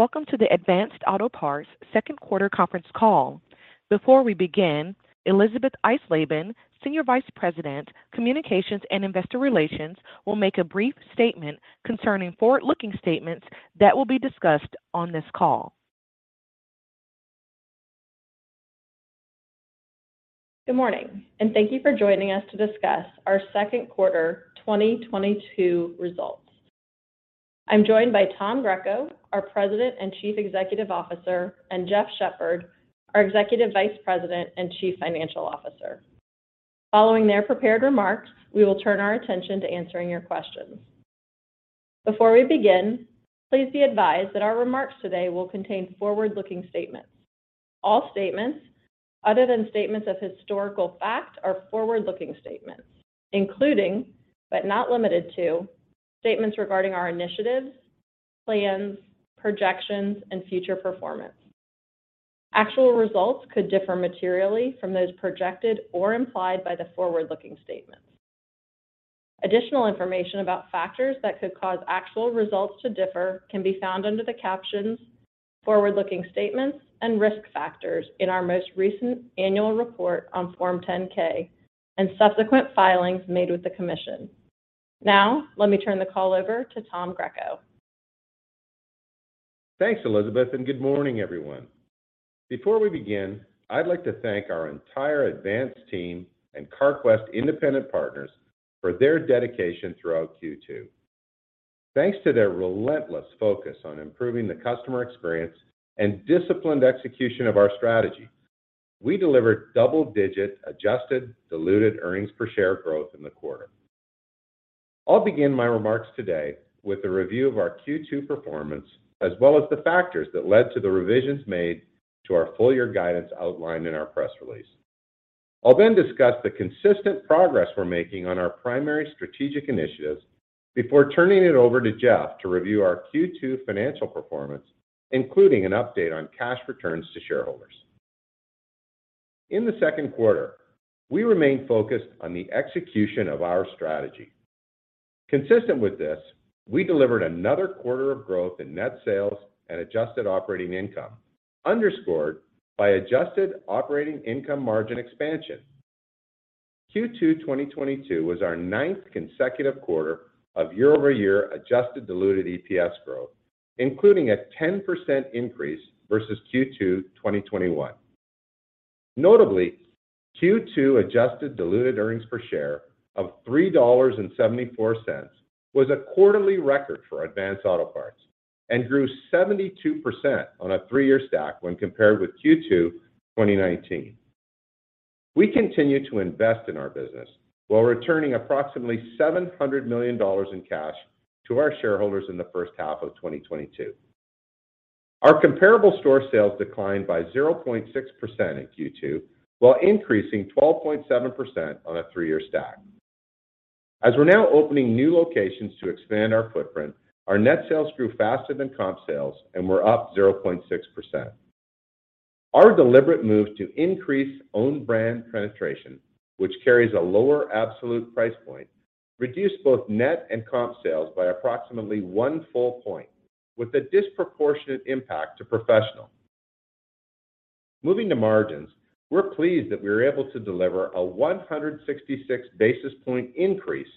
Welcome to the Advance Auto Parts second quarter conference call. Before we begin, Elisabeth Eisleben, Senior Vice President, Communications and Investor Relations, will make a brief statement concerning forward-looking statements that will be discussed on this call. Good morning, and thank you for joining us to discuss our second quarter 2022 results. I'm joined by Tom Greco, our President and Chief Executive Officer, and Jeff Shepherd, our Executive Vice President and Chief Financial Officer. Following their prepared remarks, we will turn our attention to answering your questions. Before we begin, please be advised that our remarks today will contain forward-looking statements. All statements other than statements of historical fact are forward-looking statements, including, but not limited to, statements regarding our initiatives, plans, projections, and future performance. Actual results could differ materially from those projected or implied by the forward-looking statements. Additional information about factors that could cause actual results to differ can be found under the captions "Forward-Looking Statements" and "Risk Factors" in our most recent annual report on Form 10-K and subsequent filings made with the commission. Now, let me turn the call over to Tom Greco. Thanks, Elisabeth, and good morning, everyone. Before we begin, I'd like to thank our entire Advance team and Carquest independent partners for their dedication throughout Q2. Thanks to their relentless focus on improving the customer experience and disciplined execution of our strategy, we delivered double-digit adjusted diluted earnings per share growth in the quarter. I'll begin my remarks today with a review of our Q2 performance, as well as the factors that led to the revisions made to our full year guidance outlined in our press release. I'll then discuss the consistent progress we're making on our primary strategic initiatives before turning it over to Jeff to review our Q2 financial performance, including an update on cash returns to shareholders. In the second quarter, we remained focused on the execution of our strategy. Consistent with this, we delivered another quarter of growth in net sales and adjusted operating income, underscored by adjusted operating income margin expansion. Q2 2022 was our ninth consecutive quarter of year-over-year adjusted diluted EPS growth, including a 10% increase versus Q2 2021. Notably, Q2 adjusted diluted earnings per share of $3.74 was a quarterly record for Advance Auto Parts and grew 72% on a three-year stack when compared with Q2 2019. We continue to invest in our business while returning approximately $700 million in cash to our shareholders in the first half of 2022. Our comparable store sales declined by 0.6% in Q2 while increasing 12.7% on a three-year stack. As we're now opening new locations to expand our footprint, our net sales grew faster than comp sales and were up 0.6%. Our deliberate move to increase own brand penetration, which carries a lower absolute price point, reduced both net and comp sales by approximately 1% with a disproportionate impact to professional. Moving to margins, we're pleased that we were able to deliver a 166 basis point increase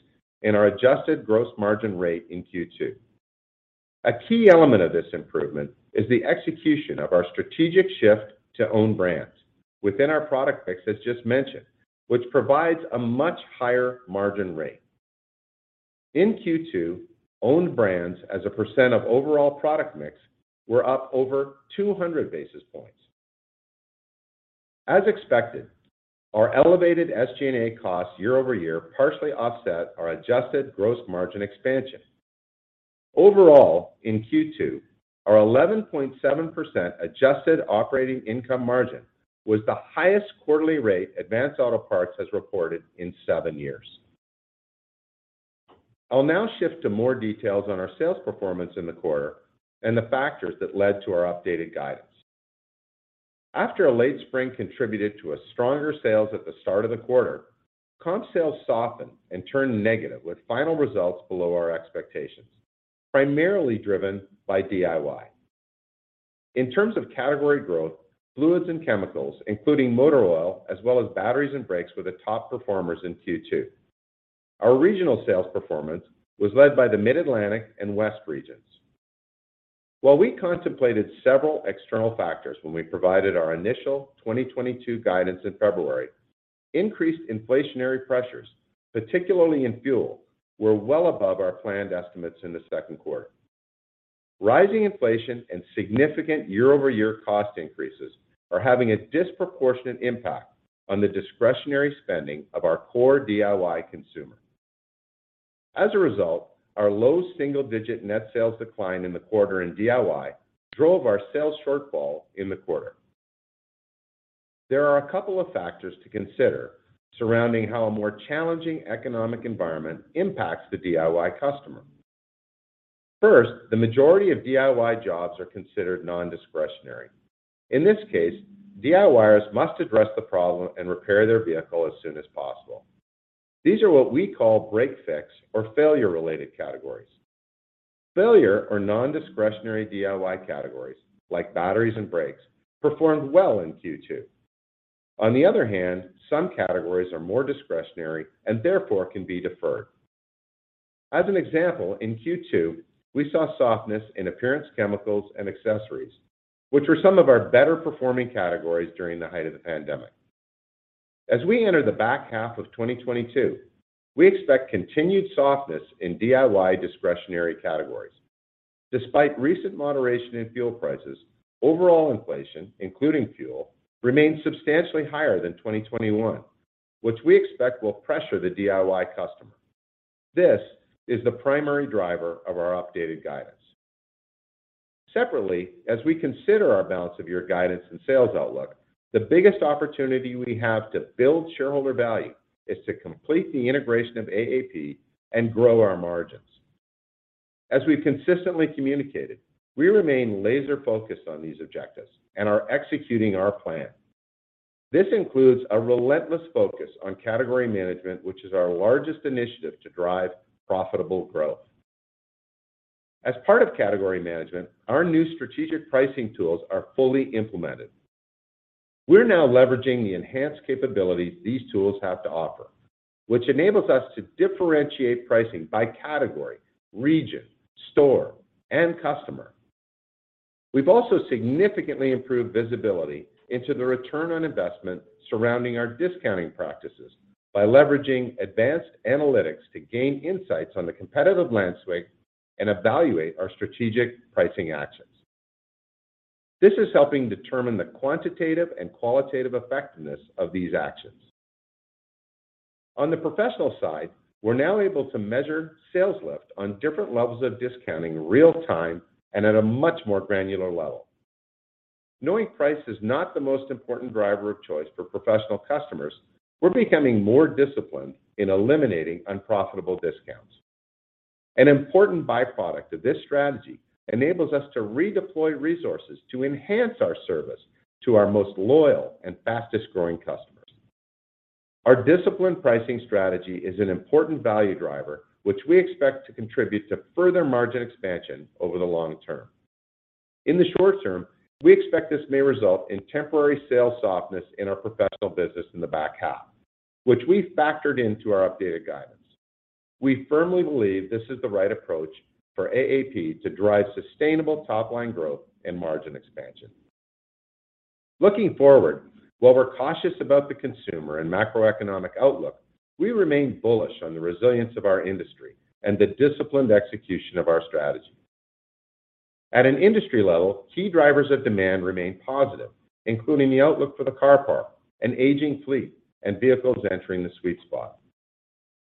in our adjusted gross margin rate in Q2. A key element of this improvement is the execution of our strategic shift to own brands within our product mix, as just mentioned, which provides a much higher margin rate. In Q2, owned brands as a percent of overall product mix were up over 200 basis points. As expected, our elevated SG&A costs year-over-year partially offset our adjusted gross margin expansion. Overall, in Q2, our 11.7% adjusted operating income margin was the highest quarterly rate Advance Auto Parts has reported in seven years. I'll now shift to more details on our sales performance in the quarter and the factors that led to our updated guidance. After a late spring contributed to a stronger sales at the start of the quarter, comp sales softened and turned negative with final results below our expectations, primarily driven by DIY. In terms of category growth, fluids and chemicals, including motor oil as well as batteries and brakes, were the top performers in Q2. Our regional sales performance was led by the Mid-Atlantic and West regions. While we contemplated several external factors when we provided our initial 2022 guidance in February, increased inflationary pressures, particularly in fuel, were well above our planned estimates in the second quarter. Rising inflation and significant year-over-year cost increases are having a disproportionate impact on the discretionary spending of our core DIY consumer. As a result, our low single-digit net sales decline in the quarter in DIY drove our sales shortfall in the quarter. There are a couple of factors to consider surrounding how a more challenging economic environment impacts the DIY customer. First, the majority of DIY jobs are considered non-discretionary. In this case, DIYers must address the problem and repair their vehicle as soon as possible. These are what we call break fix or failure related categories. Failure or non-discretionary DIY categories like batteries and brakes performed well in Q2. On the other hand, some categories are more discretionary and therefore can be deferred. As an example, in Q2, we saw softness in appearance chemicals and accessories, which were some of our better performing categories during the height of the pandemic. As we enter the back half of 2022, we expect continued softness in DIY discretionary categories. Despite recent moderation in fuel prices, overall inflation, including fuel, remains substantially higher than 2021, which we expect will pressure the DIY customer. This is the primary driver of our updated guidance. Separately, as we consider our balance of year guidance and sales outlook, the biggest opportunity we have to build shareholder value is to complete the integration of AAP and grow our margins. As we've consistently communicated, we remain laser focused on these objectives and are executing our plan. This includes a relentless focus on category management, which is our largest initiative to drive profitable growth. As part of category management, our new strategic pricing tools are fully implemented. We're now leveraging the enhanced capabilities these tools have to offer, which enables us to differentiate pricing by category, region, store, and customer. We've also significantly improved visibility into the return on investment surrounding our discounting practices by leveraging advanced analytics to gain insights on the competitive landscape and evaluate our strategic pricing actions. This is helping determine the quantitative and qualitative effectiveness of these actions. On the professional side, we're now able to measure sales lift on different levels of discounting real time and at a much more granular level. Knowing price is not the most important driver of choice for professional customers, we're becoming more disciplined in eliminating unprofitable discounts. An important byproduct of this strategy enables us to redeploy resources to enhance our service to our most loyal and fastest-growing customers. Our disciplined pricing strategy is an important value driver, which we expect to contribute to further margin expansion over the long term. In the short term, we expect this may result in temporary sales softness in our professional business in the back half, which we factored into our updated guidance. We firmly believe this is the right approach for AAP to drive sustainable top-line growth and margin expansion. Looking forward, while we're cautious about the consumer and macroeconomic outlook, we remain bullish on the resilience of our industry and the disciplined execution of our strategy. At an industry level, key drivers of demand remain positive, including the outlook for the car park, an aging fleet, and vehicles entering the sweet spot.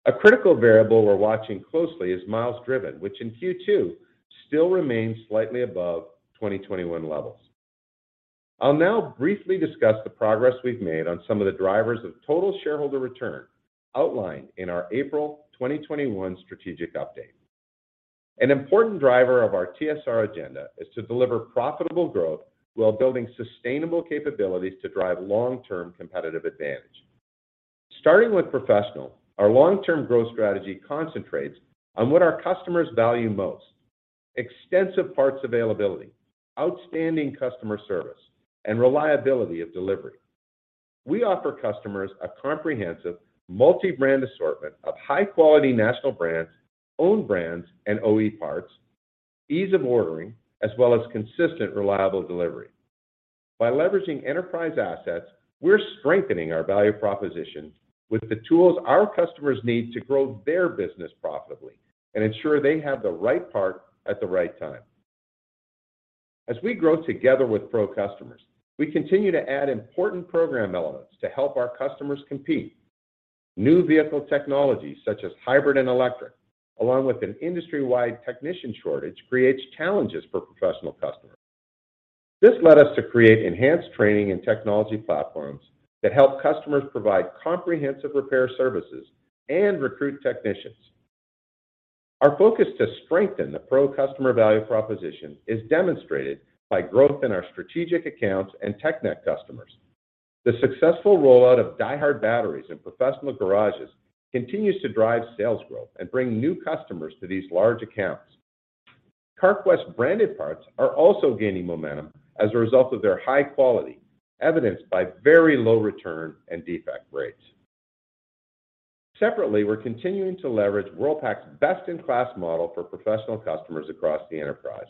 A critical variable we're watching closely is miles driven, which in Q2 still remains slightly above 2021 levels. I'll now briefly discuss the progress we've made on some of the drivers of total shareholder return outlined in our April 2021 strategic update. An important driver of our TSR agenda is to deliver profitable growth while building sustainable capabilities to drive long-term competitive advantage. Starting with professional, our long-term growth strategy concentrates on what our customers value most, extensive parts availability, outstanding customer service, and reliability of delivery. We offer customers a comprehensive multi-brand assortment of high-quality national brands, own brands, and OE parts, ease of ordering, as well as consistent, reliable delivery. By leveraging enterprise assets, we're strengthening our value propositions with the tools our customers need to grow their business profitably and ensure they have the right part at the right time. As we grow together with Pro customers, we continue to add important program elements to help our customers compete. New vehicle technologies such as hybrid and electric, along with an industry-wide technician shortage, creates challenges for professional customers. This led us to create enhanced training and technology platforms that help customers provide comprehensive repair services and recruit technicians. Our focus to strengthen the Pro customer value proposition is demonstrated by growth in our strategic accounts and TechNet customers. The successful rollout of DieHard batteries in professional garages continues to drive sales growth and bring new customers to these large accounts. Carquest branded parts are also gaining momentum as a result of their high quality, evidenced by very low return and defect rates. Separately, we're continuing to leverage Worldpac's best-in-class model for professional customers across the enterprise.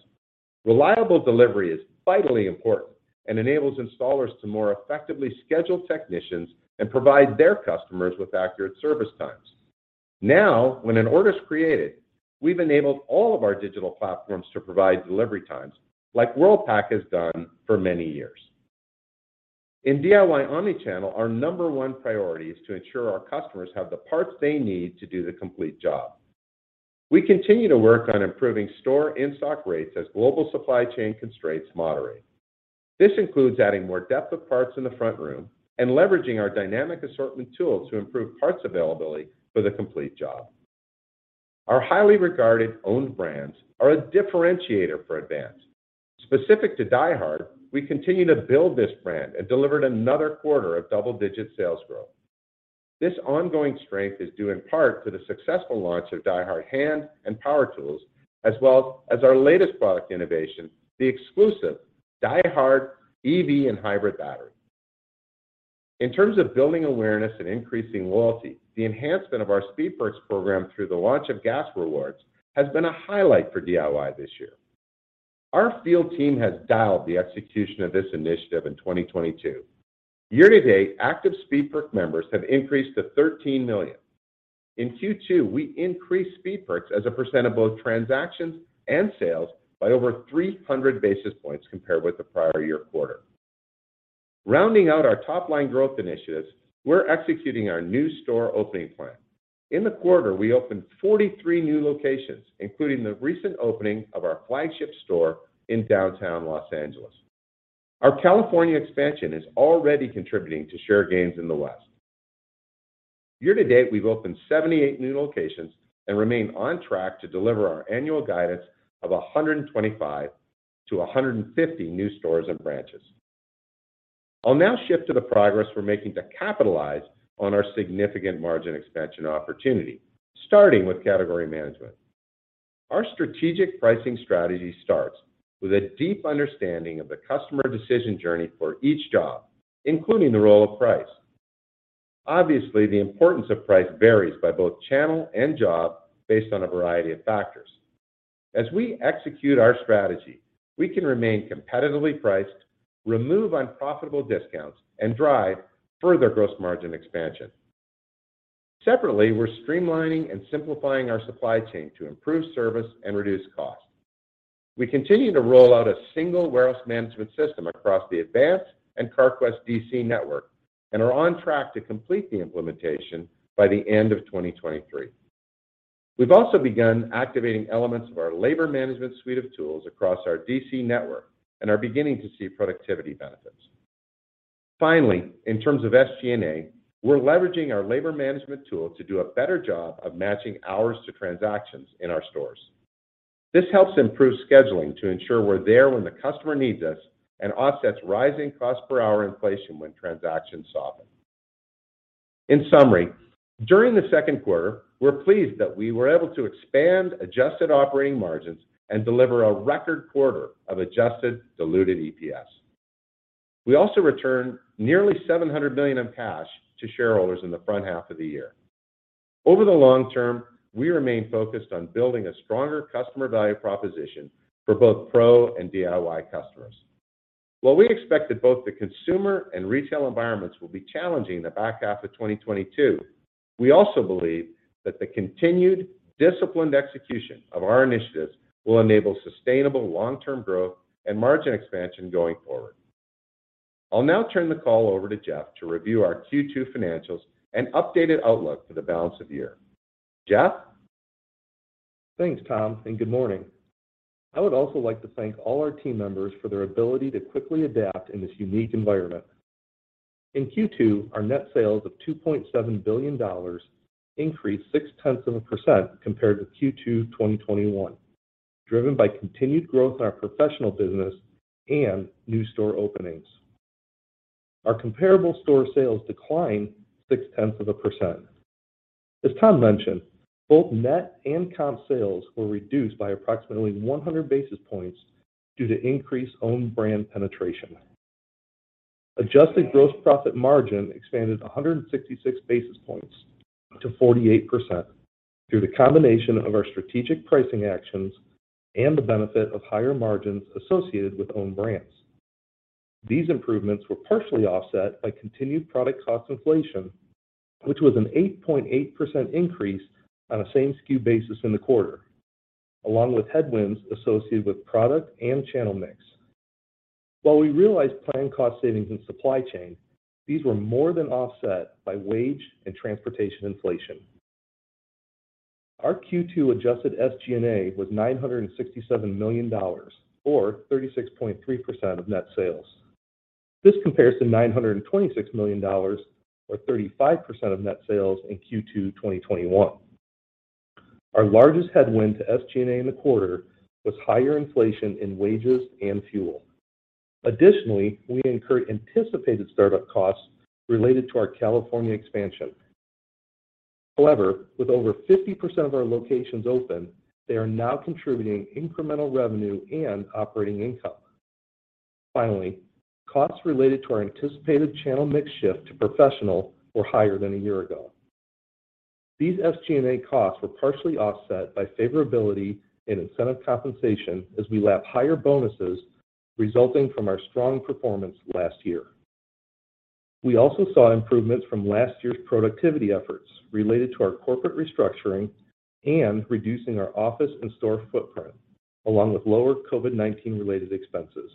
Reliable delivery is vitally important and enables installers to more effectively schedule technicians and provide their customers with accurate service times. Now, when an order is created, we've enabled all of our digital platforms to provide delivery times like Worldpac has done for many years. In DIY omni-channel, our number one priority is to ensure our customers have the parts they need to do the complete job. We continue to work on improving store in-stock rates as global supply chain constraints moderate. This includes adding more depth of parts in the front room and leveraging our dynamic assortment tool to improve parts availability for the complete job. Our highly regarded owned brands are a differentiator for Advance. Specific to DieHard, we continue to build this brand and delivered another quarter of double-digit sales growth. This ongoing strength is due in part to the successful launch of DieHard hand and power tools, as well as our latest product innovation, the exclusive DieHard EV and hybrid battery. In terms of building awareness and increasing loyalty, the enhancement of our Speed Perks program through the launch of gas rewards has been a highlight for DIY this year. Our field team has dialed the execution of this initiative in 2022. Year-to-date, active Speed Perks members have increased to 13 million. In Q2, we increased Speed Perks as a percent of both transactions and sales by over 300 basis points compared with the prior year quarter. Rounding out our top-line growth initiatives, we're executing our new store opening plan. In the quarter, we opened 43 new locations, including the recent opening of our flagship store in downtown Los Angeles. Our California expansion is already contributing to share gains in the West. Year-to-date, we've opened 78 new locations and remain on track to deliver our annual guidance of 125-150 new stores and branches. I'll now shift to the progress we're making to capitalize on our significant margin expansion opportunity, starting with category management. Our strategic pricing strategy starts with a deep understanding of the customer decision journey for each job, including the role of price. Obviously, the importance of price varies by both channel and job based on a variety of factors. As we execute our strategy, we can remain competitively priced, remove unprofitable discounts, and drive further gross margin expansion. Separately, we're streamlining and simplifying our supply chain to improve service and reduce costs. We continue to roll out a single warehouse management system across the Advance and Carquest D.C. network and are on track to complete the implementation by the end of 2023. We've also begun activating elements of our labor management suite of tools across our D.C. network and are beginning to see productivity benefits. Finally, in terms of SG&A, we're leveraging our labor management tool to do a better job of matching hours to transactions in our stores. This helps improve scheduling to ensure we're there when the customer needs us and offsets rising cost per hour inflation when transactions soften. In summary, during the second quarter, we're pleased that we were able to expand adjusted operating margins and deliver a record quarter of adjusted diluted EPS. We also returned nearly $700 million in cash to shareholders in the front half of the year. Over the long term, we remain focused on building a stronger customer value proposition for both Pro and DIY customers. While we expect that both the consumer and retail environments will be challenging in the back half of 2022, we also believe that the continued disciplined execution of our initiatives will enable sustainable long-term growth and margin expansion going forward. I'll now turn the call over to Jeff to review our Q2 financials and updated outlook for the balance of the year. Jeff? Thanks, Tom, and good morning. I would also like to thank all our team members for their ability to quickly adapt in this unique environment. In Q2, our net sales of $2.7 billion increased 0.6% compared to Q2 2021, driven by continued growth in our professional business and new store openings. Our comparable store sales declined 0.6%. As Tom mentioned, both net and comp sales were reduced by approximately 100 basis points due to increased owned brand penetration. Adjusted gross profit margin expanded 166 basis points to 48% through the combination of our strategic pricing actions and the benefit of higher margins associated with owned brands. These improvements were partially offset by continued product cost inflation, which was an 8.8% increase on a same SKU basis in the quarter, along with headwinds associated with product and channel mix. While we realized planned cost savings in supply chain, these were more than offset by wage and transportation inflation. Our Q2 adjusted SG&A was $967 million or 36.3% of net sales. This compares to $926 million or 35% of net sales in Q2 2021. Our largest headwind to SG&A in the quarter was higher inflation in wages and fuel. Additionally, we incurred anticipated startup costs related to our California expansion. However, with over 50% of our locations open, they are now contributing incremental revenue and operating income. Finally, costs related to our anticipated channel mix shift to professional were higher than a year ago. These SG&A costs were partially offset by favorability in incentive compensation as we lap higher bonuses resulting from our strong performance last year. We also saw improvements from last year's productivity efforts related to our corporate restructuring and reducing our office and store footprint, along with lower COVID-19 related expenses.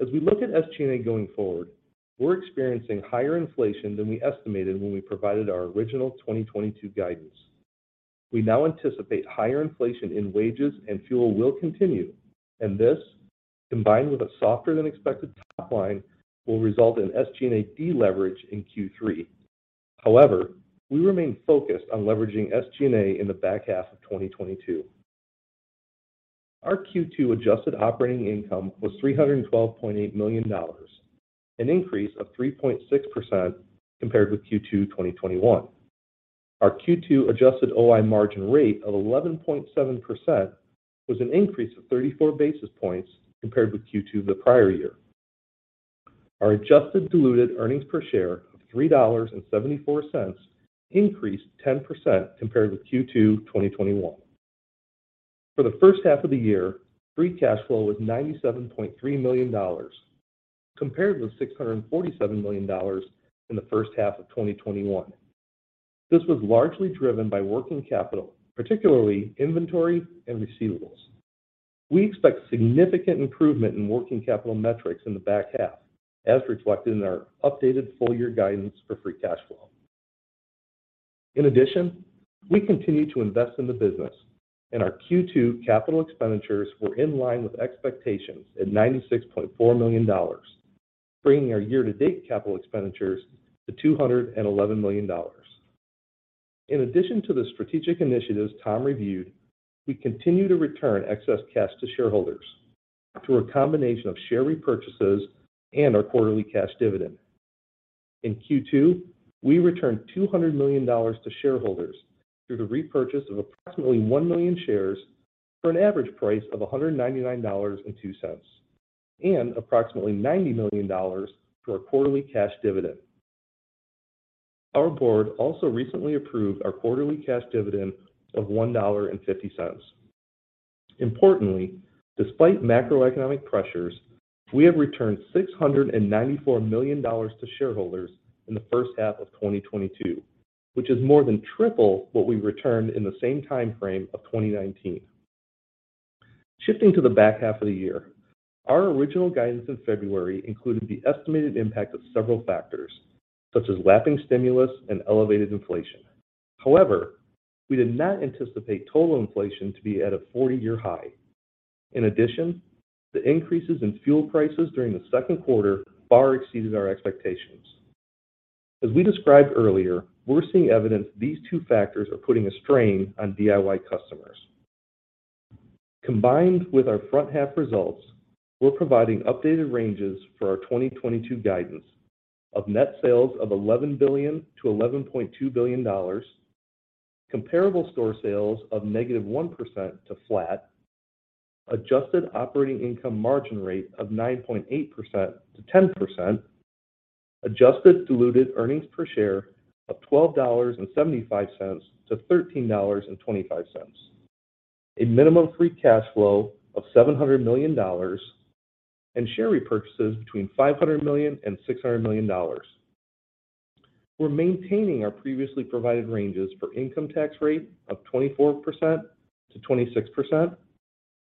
As we look at SG&A going forward, we're experiencing higher inflation than we estimated when we provided our original 2022 guidance. We now anticipate higher inflation in wages and fuel will continue, and this combined with a softer than expected top line will result in SG&A deleverage in Q3. However, we remain focused on leveraging SG&A in the back half of 2022. Our Q2 adjusted operating income was $312.8 million, an increase of 3.6% compared with Q2 2021. Our Q2 adjusted OI margin rate of 11.7% was an increase of 34 basis points compared with Q2 the prior year. Our adjusted diluted earnings per share of $3.74 increased 10% compared with Q2 2021. For the first half of the year, free cash flow was $97.3 million, compared with $647 million in the first half of 2021. This was largely driven by working capital, particularly inventory and receivables. We expect significant improvement in working capital metrics in the back half, as reflected in our updated full year guidance for free cash flow. In addition, we continue to invest in the business, and our Q2 capital expenditures were in line with expectations at $96.4 million, bringing our year to date capital expenditures to $211 million. In addition to the strategic initiatives Tom reviewed, we continue to return excess cash to shareholders through a combination of share repurchases and our quarterly cash dividend. In Q2, we returned $200 million to shareholders through the repurchase of approximately 1 million shares for an average price of $199.02, and approximately $90 million through our quarterly cash dividend. Our board also recently approved our quarterly cash dividend of $1.50. Importantly, despite macroeconomic pressures, we have returned $694 million to shareholders in the first half of 2022, which is more than triple what we returned in the same time frame of 2019. Shifting to the back half of the year, our original guidance in February included the estimated impact of several factors, such as lapping stimulus and elevated inflation. However, we did not anticipate total inflation to be at a 40-year high. In addition, the increases in fuel prices during the second quarter far exceeded our expectations. As we described earlier, we're seeing evidence these two factors are putting a strain on DIY customers. Combined with our front half results, we're providing updated ranges for our 2022 guidance of net sales of $11 billion-$11.2 billion, comparable store sales of -1% to flat, adjusted operating income margin rate of 9.8%-10%, adjusted diluted earnings per share of $12.75-$13.25, a minimum free cash flow of $700 million, and share repurchases between $500 million and $600 million. We're maintaining our previously provided ranges for income tax rate of 24%-26%,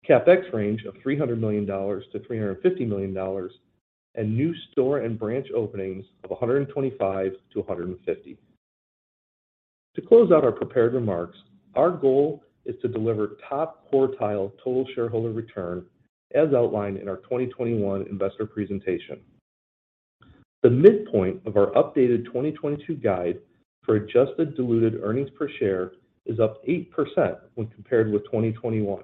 CapEx range of $300 million-$350 million, and new store and branch openings of 125-150. To close out our prepared remarks, our goal is to deliver top quartile total shareholder return as outlined in our 2021 investor presentation. The midpoint of our updated 2022 guide for adjusted diluted earnings per share is up 8% when compared with 2021,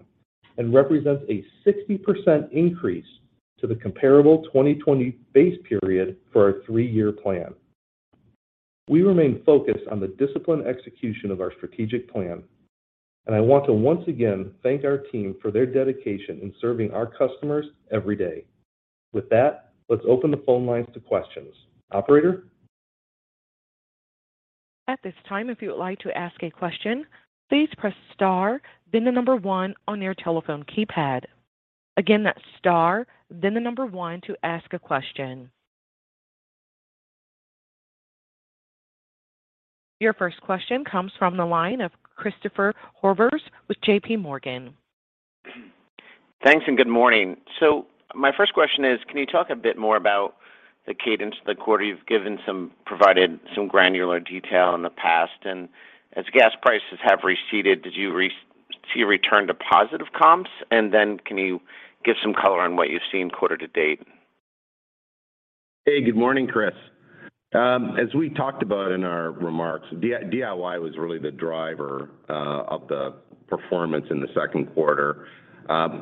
and represents a 60% increase to the comparable 2020 base period for our three-year plan. We remain focused on the disciplined execution of our strategic plan, and I want to once again thank our team for their dedication in serving our customers every day. With that, let's open the phone lines to questions. Operator? At this time, if you would like to ask a question, please press star, then the number one on your telephone keypad. Again, that's star, then the number one to ask a question. Your first question comes from the line of Christopher Horvers with JPMorgan. Thanks, and good morning. My first question is, can you talk a bit more about the cadence of the quarter? You've provided some granular detail in the past. As gas prices have receded, did you see a return to positive comps? Then can you give some color on what you've seen quarter to date? Hey, good morning, Chris. As we talked about in our remarks, DIY was really the driver of the performance in the second quarter.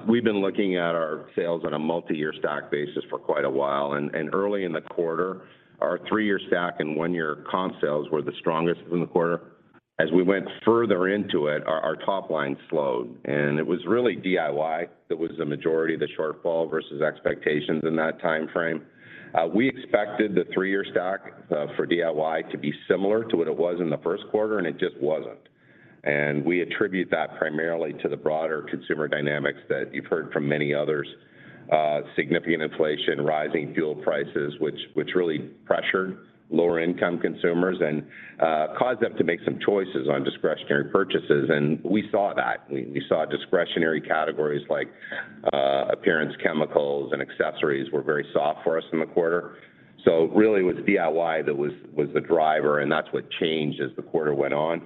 We've been looking at our sales on a multi-year stack basis for quite a while. Early in the quarter, our three-year stack and one-year comp sales were the strongest in the quarter. As we went further into it, our top line slowed, and it was really DIY that was the majority of the shortfall versus expectations in that time frame. We expected the three-year stack for DIY to be similar to what it was in the first quarter, and it just wasn't. We attribute that primarily to the broader consumer dynamics that you've heard from many others, significant inflation, rising fuel prices, which really pressured lower income consumers and caused them to make some choices on discretionary purchases. We saw that. We saw discretionary categories like appearance chemicals and accessories were very soft for us in the quarter. It really was DIY that was the driver, and that's what changed as the quarter went on.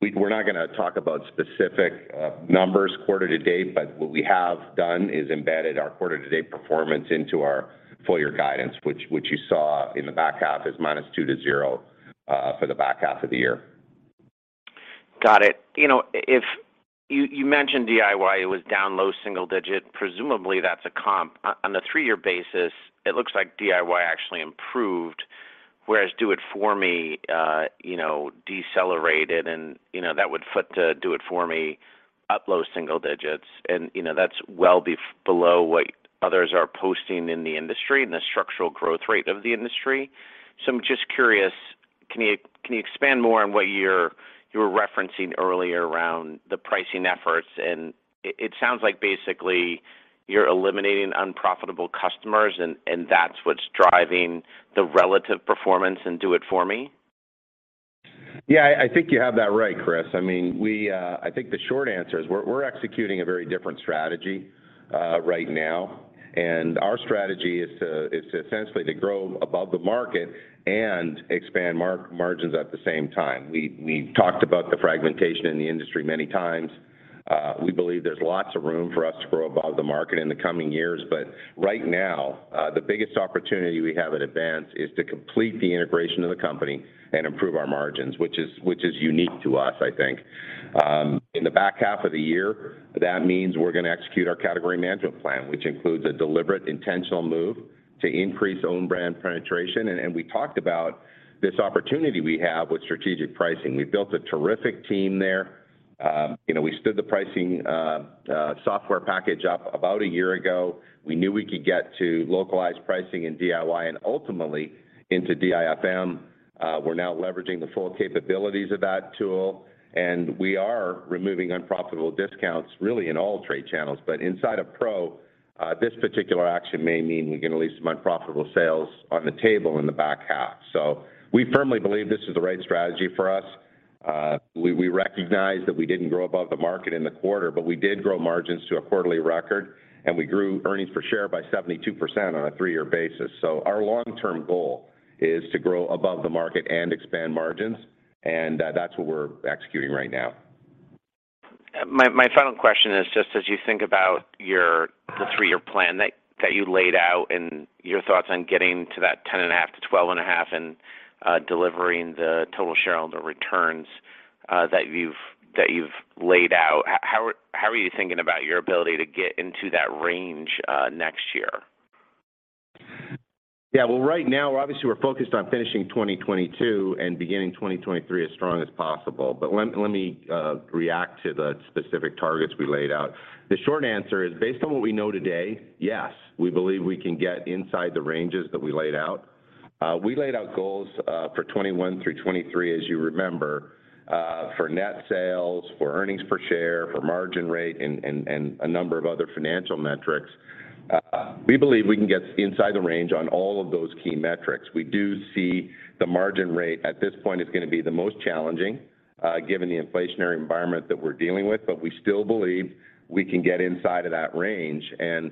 We're not gonna talk about specific numbers quarter to date, but what we have done is embedded our quarter to date performance into our full year guidance, which you saw in the back half as -2% to -0% for the back half of the year. Got it. You know, if you mentioned DIY, it was down low single digit, presumably that's a comp. On the three-year basis, it looks like DIY actually improved, whereas do it for me, you know, decelerated and you know, that would foot to do it for me up low single digits. You know, that's well below what others are posting in the industry and the structural growth rate of the industry. I'm just curious, can you expand more on what you were referencing earlier around the pricing efforts? It sounds like basically you're eliminating unprofitable customers and that's what's driving the relative performance in do it for me. Yeah. I think you have that right, Chris. I mean, I think the short answer is we're executing a very different strategy right now. Our strategy is to essentially grow above the market and expand margins at the same time. We talked about the fragmentation in the industry many times. We believe there's lots of room for us to grow above the market in the coming years. Right now, the biggest opportunity we have at Advance is to complete the integration of the company and improve our margins, which is unique to us, I think. In the back half of the year, that means we're gonna execute our category management plan, which includes a deliberate, intentional move to increase own brand penetration. We talked about this opportunity we have with strategic pricing. We built a terrific team there. You know, we stood the pricing software package up about a year ago. We knew we could get to localized pricing in DIY and ultimately into DIFM. We're now leveraging the full capabilities of that tool, and we are removing unprofitable discounts really in all trade channels. Inside of pro, this particular action may mean we're gonna leave some unprofitable sales on the table in the back half. We firmly believe this is the right strategy for us. We recognize that we didn't grow above the market in the quarter, but we did grow margins to a quarterly record, and we grew earnings per share by 72% on a three-year basis. Our long-term goal is to grow above the market and expand margins, and that's what we're executing right now. My final question is just as you think about the three-year plan that you laid out and your thoughts on getting to that 10.5%-12.5% and delivering the total shareholder returns that you've laid out, how are you thinking about your ability to get into that range next year? Yeah. Well, right now, obviously, we're focused on finishing 2022 and beginning 2023 as strong as possible. Let me react to the specific targets we laid out. The short answer is, based on what we know today, yes, we believe we can get inside the ranges that we laid out. We laid out goals for 2021 through 2023, as you remember, for net sales, for earnings per share, for margin rate, and a number of other financial metrics. We believe we can get inside the range on all of those key metrics. We do see the margin rate at this point is gonna be the most challenging, given the inflationary environment that we're dealing with. We still believe we can get inside of that range, and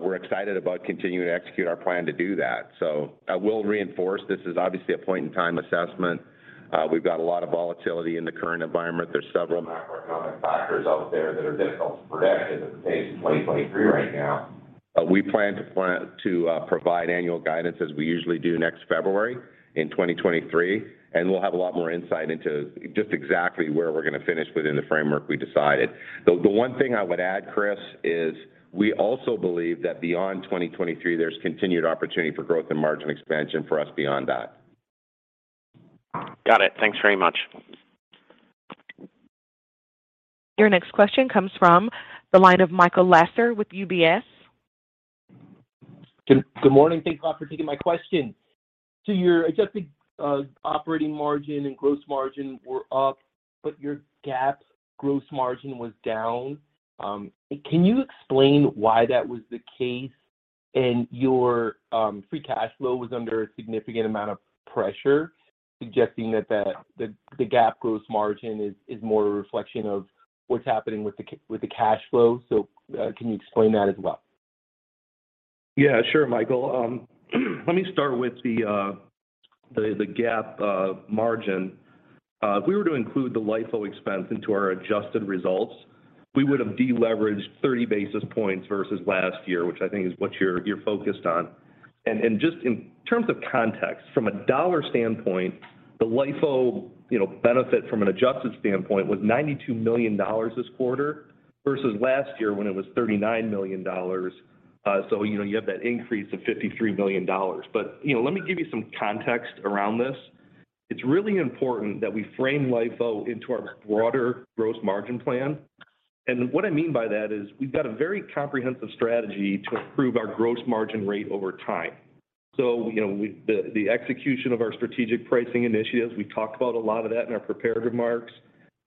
we're excited about continuing to execute our plan to do that. I will reinforce this is obviously a point in time assessment. We've got a lot of volatility in the current environment. There's several macroeconomic factors out there that are difficult to predict as it relates to 2023 right now. We plan to provide annual guidance as we usually do next February in 2023, and we'll have a lot more insight into just exactly where we're gonna finish within the framework we decided. The one thing I would add, Chris, is we also believe that beyond 2023, there's continued opportunity for growth and margin expansion for us beyond that. Got it. Thanks very much. Your next question comes from the line of Michael Lasser with UBS. Good morning. Thanks a lot for taking my question. Your adjusted operating margin and gross margin were up, but your GAAP gross margin was down. Can you explain why that was the case? Your free cash flow was under a significant amount of pressure, suggesting that the GAAP gross margin is more a reflection of what's happening with the cash flow. Can you explain that as well? Yeah, sure, Michael. Let me start with the GAAP margin. If we were to include the LIFO expense into our adjusted results, we would have deleveraged 30 basis points versus last year, which I think is what you're focused on. Just in terms of context, from a dollar standpoint, the LIFO, you know, benefit from an adjusted standpoint was $92 million this quarter versus last year when it was $39 million. You know, you have that increase of $53 billion. You know, let me give you some context around this. It's really important that we frame LIFO into our broader gross margin plan. What I mean by that is we've got a very comprehensive strategy to improve our gross margin rate over time. The execution of our strategic pricing initiatives, we've talked about a lot of that in our prepared remarks,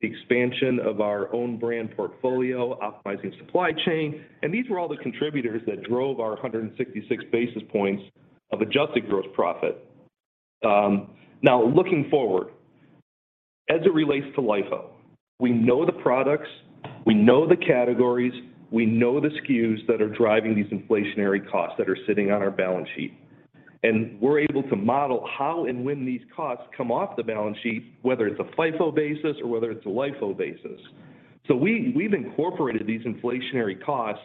the expansion of our own brand portfolio, optimizing supply chain. These were all the contributors that drove our 166 basis points of adjusted gross profit. Now looking forward, as it relates to LIFO, we know the products, we know the categories, we know the SKUs that are driving these inflationary costs that are sitting on our balance sheet. We're able to model how and when these costs come off the balance sheet, whether it's a FIFO basis or whether it's a LIFO basis. We've incorporated these inflationary costs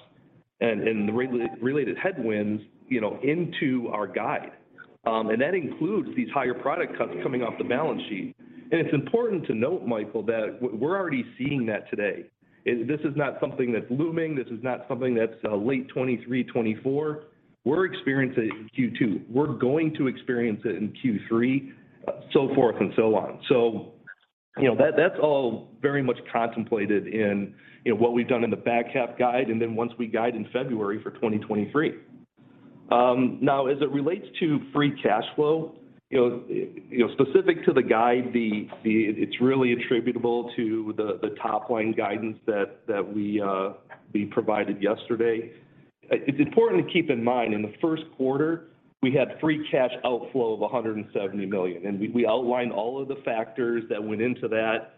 and the related headwinds into our guide. That includes these higher product costs coming off the balance sheet. It's important to note, Michael, that we're already seeing that today. This is not something that's looming. This is not something that's late 2023, 2024. We're experiencing it in Q2. We're going to experience it in Q3, so forth and so on. That's all very much contemplated in what we've done in the back half guide and then once we guide in February for 2023. Now, as it relates to free cash flow, specific to the guide, it's really attributable to the top line guidance that we provided yesterday. It's important to keep in mind, in the first quarter, we had free cash outflow of $170 million, and we outlined all of the factors that went into that,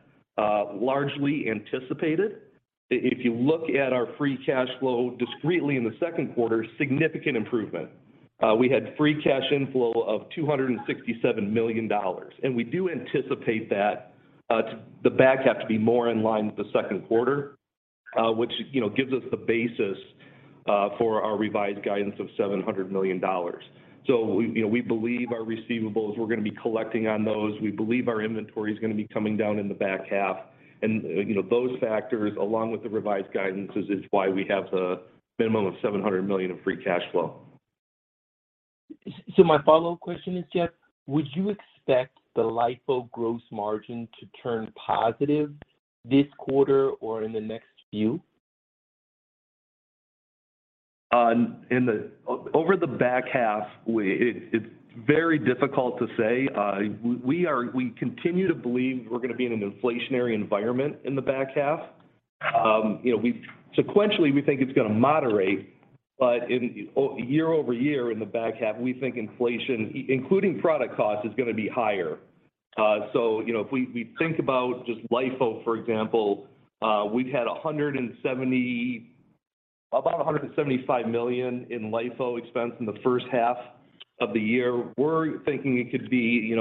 largely anticipated. If you look at our free cash flow discretely in the second quarter, significant improvement. We had free cash inflow of $267 million, and we do anticipate that the back half to be more in line with the second quarter, which, you know, gives us the basis for our revised guidance of $700 million. We, you know, we believe our receivables, we're gonna be collecting on those. We believe our inventory is gonna be coming down in the back half. You know, those factors, along with the revised guidances, is why we have the minimum of $700 million of free cash flow. My follow-up question is, Jeff, would you expect the LIFO gross margin to turn positive this quarter or in the next few? Over the back half, it's very difficult to say. We continue to believe we're gonna be in an inflationary environment in the back half. You know, sequentially, we think it's gonna moderate, but year-over-year in the back half, we think inflation, including product cost, is gonna be higher. You know, if we think about just LIFO, for example, we've had about $175 million in LIFO expense in the first half of the year. We're thinking it could be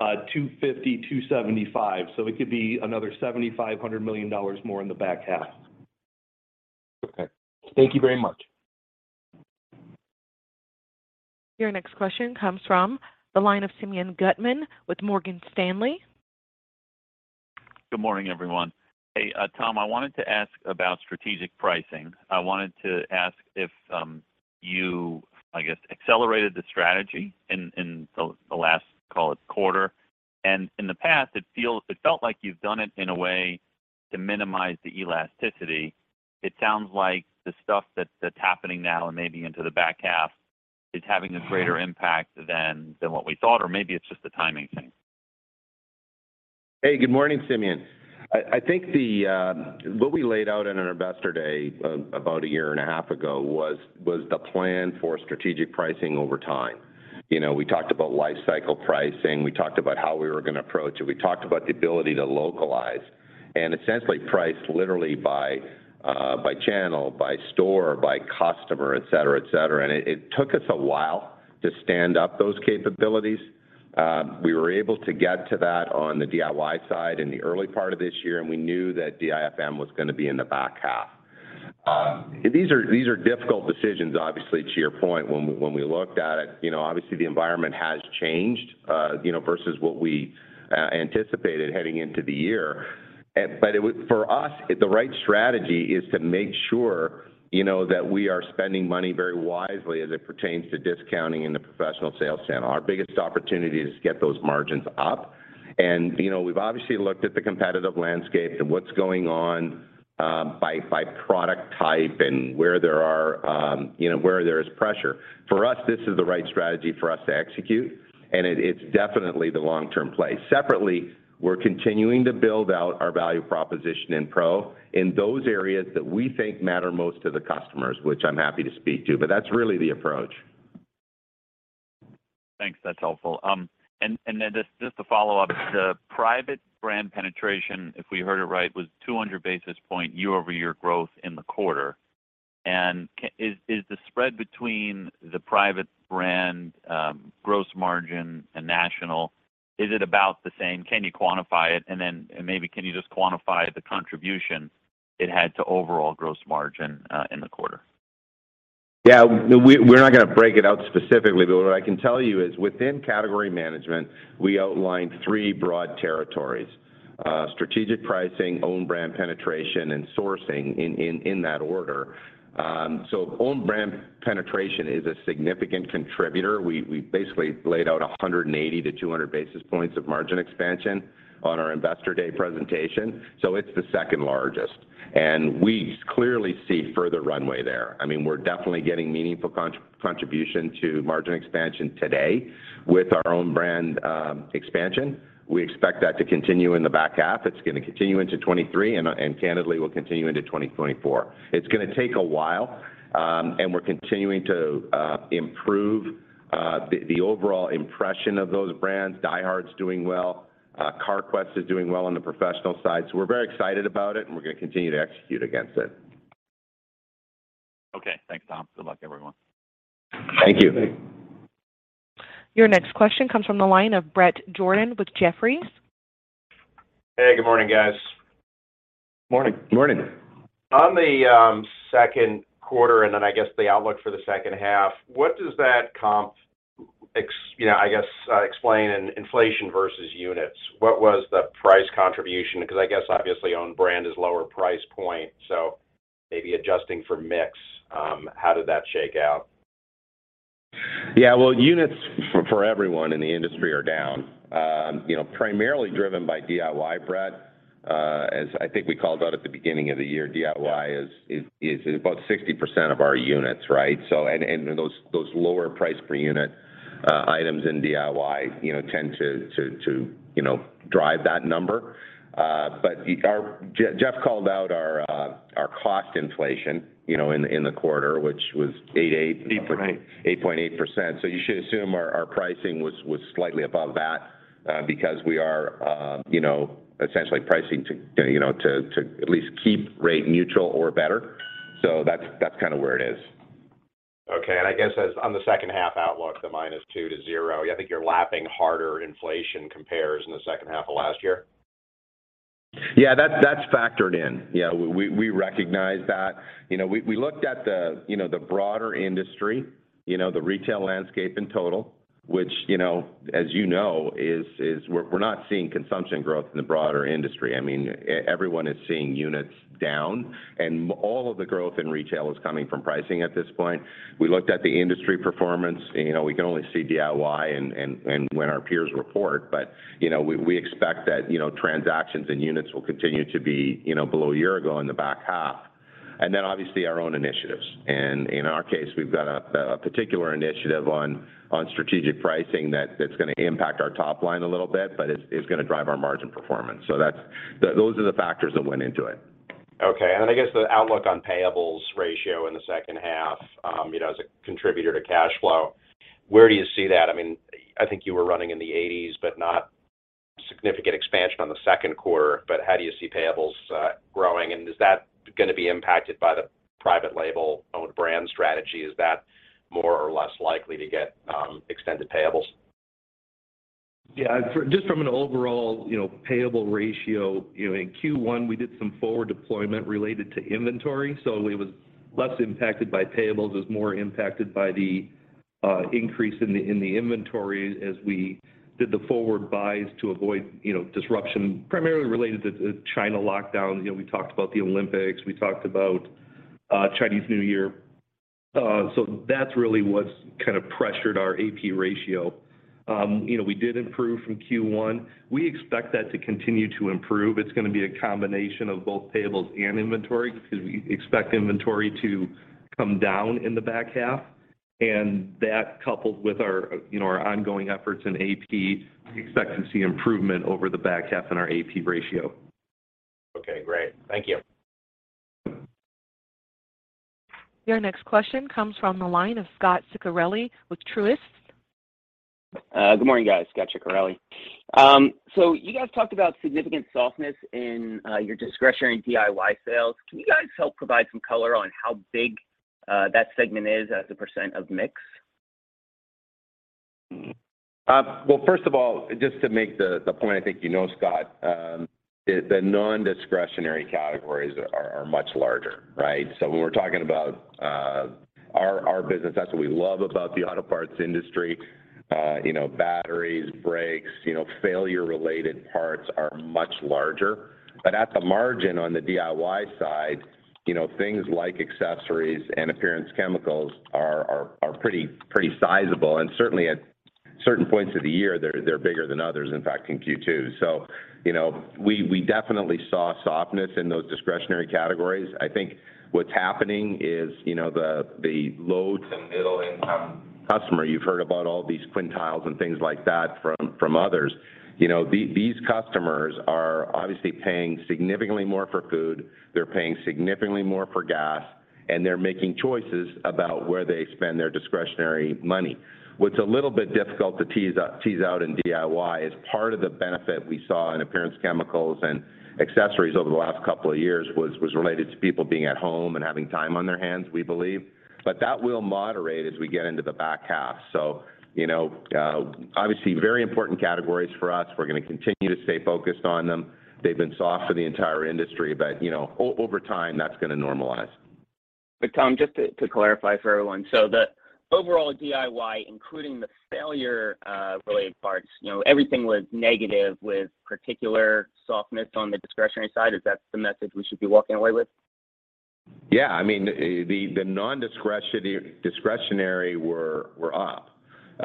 $250-$275. It could be another $75 million-$100 million more in the back half. Okay. Thank you very much. Your next question comes from the line of Simeon Gutman with Morgan Stanley. Good morning, everyone. Hey, Tom, I wanted to ask about strategic pricing. I wanted to ask if you, I guess, accelerated the strategy in the last, call it, quarter. In the past, it felt like you've done it in a way to minimize the elasticity. It sounds like the stuff that's happening now and maybe into the back half is having a greater impact than what we thought, or maybe it's just a timing thing. Hey, good morning, Simeon. I think what we laid out in our Investor Day about a year and a half ago was the plan for strategic pricing over time. You know, we talked about life cycle pricing. We talked about how we were gonna approach it. We talked about the ability to localize and essentially price literally by channel, by store, by customer, et cetera, et cetera. It took us a while to stand up those capabilities. We were able to get to that on the DIY side in the early part of this year, and we knew that DIFM was gonna be in the back half. These are difficult decisions, obviously, to your point. When we looked at it, you know, obviously the environment has changed, you know, versus what we anticipated heading into the year. For us, the right strategy is to make sure, you know, that we are spending money very wisely as it pertains to discounting in the professional sales channel. Our biggest opportunity is to get those margins up. You know, we've obviously looked at the competitive landscape and what's going on by product type and where there are, you know, where there is pressure. For us, this is the right strategy for us to execute, and it's definitely the long-term play. Separately, we're continuing to build out our value proposition in Pro those areas that we think matter most to the customers, which I'm happy to speak to, but that's really the approach. Thanks. That's helpful. And then just to follow up, the private brand penetration, if we heard it right, was 200 basis points year-over-year growth in the quarter. Is the spread between the private brand gross margin and national about the same? Can you quantify it? And then maybe can you just quantify the contribution it had to overall gross margin in the quarter? Yeah. We're not gonna break it out specifically, but what I can tell you is within category management, we outlined three broad territories: strategic pricing, own brand penetration, and sourcing in that order. Own brand penetration is a significant contributor. We basically laid out 180-200 basis points of margin expansion on our Investor Day presentation, so it's the second largest. We clearly see further runway there. I mean, we're definitely getting meaningful contribution to margin expansion today with our own brand expansion. We expect that to continue in the back half. It's gonna continue into 2023 and candidly will continue into 2024. It's gonna take a while, and we're continuing to improve the overall impression of those brands. DieHard's doing well. Carquest is doing well on the professional side. We're very excited about it and we're gonna continue to execute against it. Okay. Thanks, Tom. Good luck, everyone. Thank you. Your next question comes from the line of Bret Jordan with Jefferies. Hey, good morning, guys. Morning. Morning. On the second quarter, and then I guess the outlook for the second half, what does that comps, you know, I guess, explain in inflation versus units? What was the price contribution? Because I guess obviously own brand is lower price point, so maybe adjusting for mix, how did that shake out? Yeah. Well, units for everyone in the industry are down, primarily driven by DIY, Bret. As I think we called out at the beginning of the year, DIY is about 60% of our units, right? Those lower price per unit items in DIY tend to drive that number. But our Jeff called out our cost inflation in the quarter, which was eight- 8.8 8.8%. You should assume our pricing was slightly above that, because we are, you know, essentially pricing to, you know, to at least keep rate neutral or better. That's kind of where it is. Okay. I guess as on the second half outlook, the -2% to -0%, yeah, I think you're lapping harder inflation comps in the second half of last year. Yeah, that's factored in. Yeah, we recognize that. You know, we looked at the, you know, the broader industry, you know, the retail landscape in total, which, you know, as you know, we're not seeing consumption growth in the broader industry. I mean everyone is seeing units down, and all of the growth in retail is coming from pricing at this point. We looked at the industry performance. You know, we can only see DIY and when our peers report. You know, we expect that, you know, transactions and units will continue to be, you know, below a year ago in the back half. Then obviously our own initiatives. In our case, we've got a particular initiative on strategic pricing that's gonna impact our top line a little bit, but it's gonna drive our margin performance. Those are the factors that went into it. Okay. I guess the outlook on payables ratio in the second half, you know, as a contributor to cash flow, where do you see that? I mean, I think you were running in the 80s, but not significant expansion on the second quarter, but how do you see payables growing? Is that gonna be impacted by the private label own brand strategy? Is that more or less likely to get extended payables? Yeah. Just from an overall, you know, payable ratio, you know, in Q1, we did some forward deployment related to inventory, so it was less impacted by payables. It was more impacted by the increase in the inventory as we did the forward buys to avoid, you know, disruption primarily related to China lockdown. You know, we talked about the Olympics. We talked about Chinese New Year. So that's really what's kind of pressured our AAP ratio. You know, we did improve from Q1. We expect that to continue to improve. It's gonna be a combination of both payables and inventory because we expect inventory to come down in the back half. That coupled with our, you know, our ongoing efforts in AAP, we expect to see improvement over the back half in our AAP ratio. Okay, great. Thank you. Your next question comes from the line of Scot Ciccarelli with Truist. Good morning, guys. Scot Ciccarelli. You guys talked about significant softness in your discretionary DIY sales. Can you guys help provide some color on how big that segment is as a percent of mix? Well, first of all, just to make the point, I think you know, Scott, the non-discretionary categories are much larger, right? When we're talking about our business, that's what we love about the auto parts industry. You know, batteries, brakes, you know, failure-related parts are much larger. At the margin on the DIY side, you know, things like accessories and appearance chemicals are pretty sizable. Certainly at certain points of the year, they're bigger than others, in fact, in Q2. You know, we definitely saw softness in those discretionary categories. I think what's happening is, you know, the low to middle income customer, you've heard about all these quintiles and things like that from others. You know, these customers are obviously paying significantly more for food, they're paying significantly more for gas, and they're making choices about where they spend their discretionary money. What's a little bit difficult to tease out in DIY is part of the benefit we saw in appearance chemicals and accessories over the last couple of years was related to people being at home and having time on their hands, we believe. That will moderate as we get into the back half. You know, obviously, very important categories for us. We're gonna continue to stay focused on them. They've been soft for the entire industry, but, you know, over time, that's gonna normalize. Tom, just to clarify for everyone. The overall DIY, including the failure related parts, you know, everything was negative with particular softness on the discretionary side. Is that the message we should be walking away with? Yeah. I mean, the non-discretionary were up,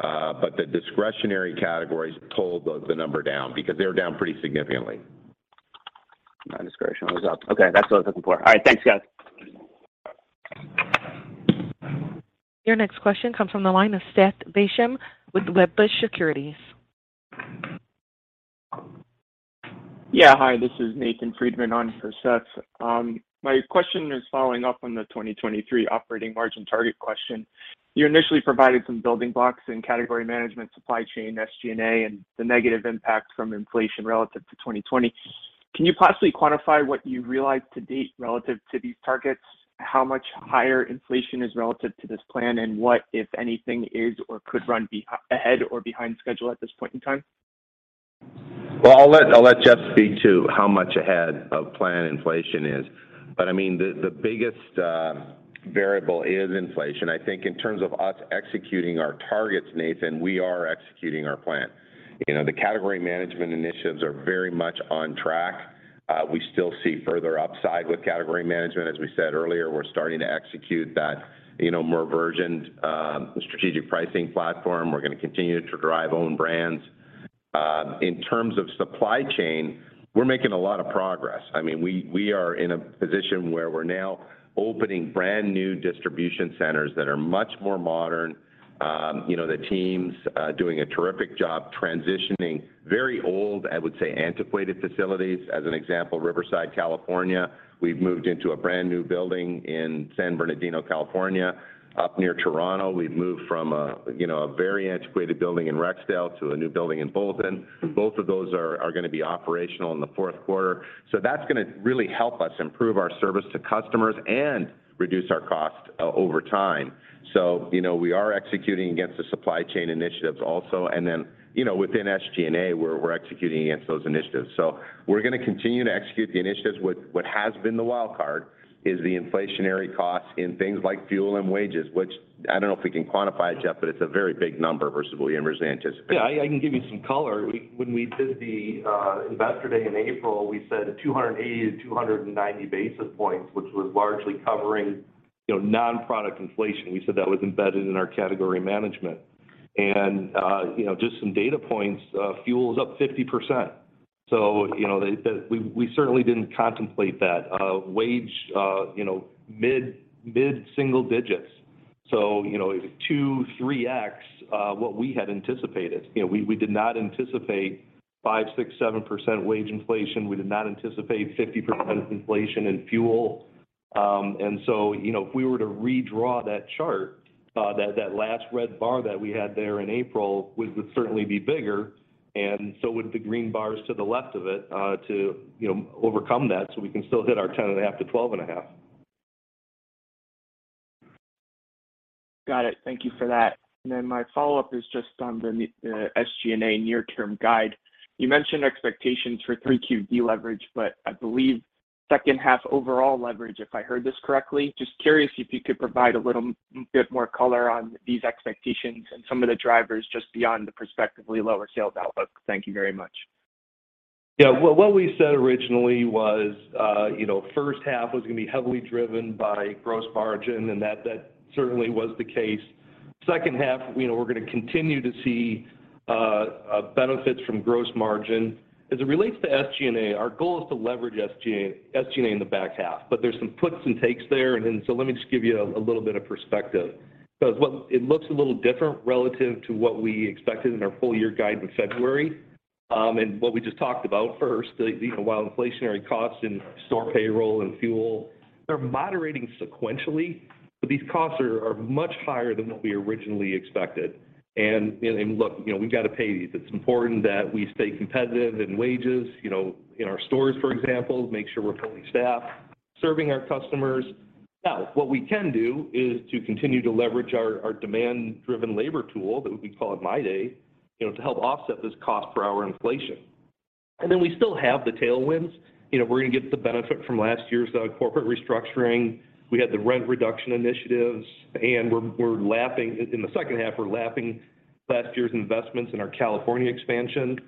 but the discretionary categories pulled the number down because they were down pretty significantly. Non-discretionary was up. Okay, that's what I was looking for. All right, thanks, guys. Your next question comes from the line of Seth Basham with Wedbush Securities. Yeah. Hi, this is Nathan Friedman on for Seth. My question is following up on the 2023 operating margin target question. You initially provided some building blocks in category management, supply chain, SG&A, and the negative impact from inflation relative to 2020. Can you possibly quantify what you realized to date relative to these targets? How much higher inflation is relative to this plan? And what, if anything, is or could be running ahead or behind schedule at this point in time? I'll let Jeff speak to how much ahead of plan inflation is. I mean, the biggest variable is inflation. I think in terms of us executing our targets, Nathan, we are executing our plan. You know, the category management initiatives are very much on track. We still see further upside with category management. As we said earlier, we're starting to execute that, you know, more versioned strategic pricing platform. We're gonna continue to drive own brands. In terms of supply chain, we're making a lot of progress. I mean, we are in a position where we're now opening brand new distribution centers that are much more modern. You know, the team's doing a terrific job transitioning very old, I would say, antiquated facilities. As an example, Riverside, California, we've moved into a brand new building in San Bernardino, California. Up near Toronto, we've moved from a, you know, a very antiquated building in Rexdale to a new building in Bolton. Both of those are gonna be operational in the fourth quarter. That's gonna really help us improve our service to customers and reduce our cost over time. You know, we are executing against the supply chain initiatives also. Then, you know, within SG&A, we're executing against those initiatives. We're gonna continue to execute the initiatives. What has been the wild card is the inflationary costs in things like fuel and wages, which I don't know if we can quantify it, Jeff, but it's a very big number versus what William was anticipating. Yeah, I can give you some color. When we did the Investor Day in April, we said 280-290 basis points, which was largely covering, you know, non-product inflation. We said that was embedded in our category management. You know, just some data points, fuel is up 50%. You know, we certainly didn't contemplate that. Wage, you know, mid single digits. You know, 2-3x what we had anticipated. You know, we did not anticipate 5%, 6%, 7% wage inflation. We did not anticipate 50% inflation in fuel. You know, if we were to redraw that chart, that last red bar that we had there in April would certainly be bigger and so would the green bars to the left of it, you know, overcome that so we can still hit our 10.5%-12.5%. Got it. Thank you for that. My follow-up is just on the SG&A near-term guide. You mentioned expectations for 3Q deleverage, but I believe second half overall leverage, if I heard this correctly. Just curious if you could provide a little bit more color on these expectations and some of the drivers just beyond the prospectively lower sales outlook. Thank you very much. Yeah. Well, what we said originally was, you know, first half was gonna be heavily driven by gross margin, and that certainly was the case. Second half, you know, we're gonna continue to see benefits from gross margin. As it relates to SG&A, our goal is to leverage SG&A in the back half. But there's some puts and takes there, and then so let me just give you a little bit of perspective. 'Cause it looks a little different relative to what we expected in our full year guide in February, and what we just talked about first. You know, while inflationary costs in store payroll and fuel, they're moderating sequentially, but these costs are much higher than what we originally expected. Look, you know, we've got to pay these. It's important that we stay competitive in wages, you know, in our stores, for example, make sure we're fully staffed, serving our customers. Now, what we can do is to continue to leverage our demand-driven labor tool that we call MyDay, you know, to help offset this cost per hour inflation. We still have the tailwinds. You know, we're gonna get the benefit from last year's corporate restructuring. We had the rent reduction initiatives, and we're lapping. In the second half, we're lapping last year's investments in our California expansion,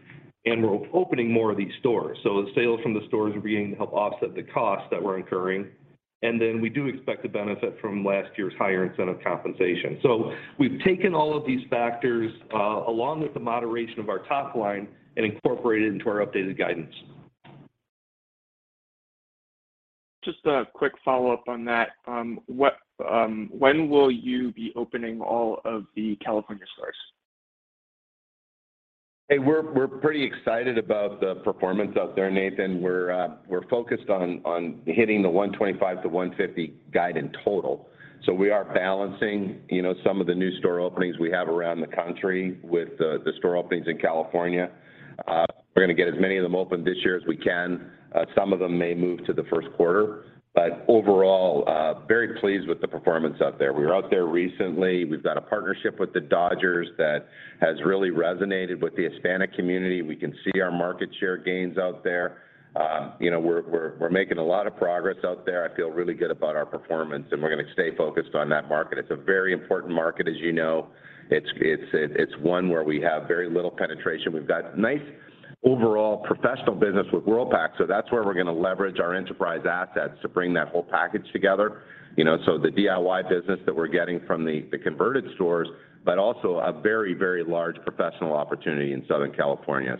and we're opening more of these stores. The sales from the stores help offset the costs that we're incurring. We do expect the benefit from last year's higher incentive compensation. We've taken all of these factors, along with the moderation of our top line and incorporated into our updated guidance. Just a quick follow-up on that. When will you be opening all of the California stores? Hey, we're pretty excited about the performance out there, Nathan. We're focused on hitting the 125-150 guide in total. We are balancing, you know, some of the new store openings we have around the country with the store openings in California. We're gonna get as many of them open this year as we can. Some of them may move to the first quarter. Overall, very pleased with the performance out there. We were out there recently. We've got a partnership with the Dodgers that has really resonated with the Hispanic community. We can see our market share gains out there. You know, we're making a lot of progress out there. I feel really good about our performance, and we're gonna stay focused on that market. It's a very important market, as you know. It's one where we have very little penetration. We've got nice overall professional business with Worldpac, so that's where we're gonna leverage our enterprise assets to bring that whole package together. You know, so the DIY business that we're getting from the converted stores, but also a very large professional opportunity in Southern California.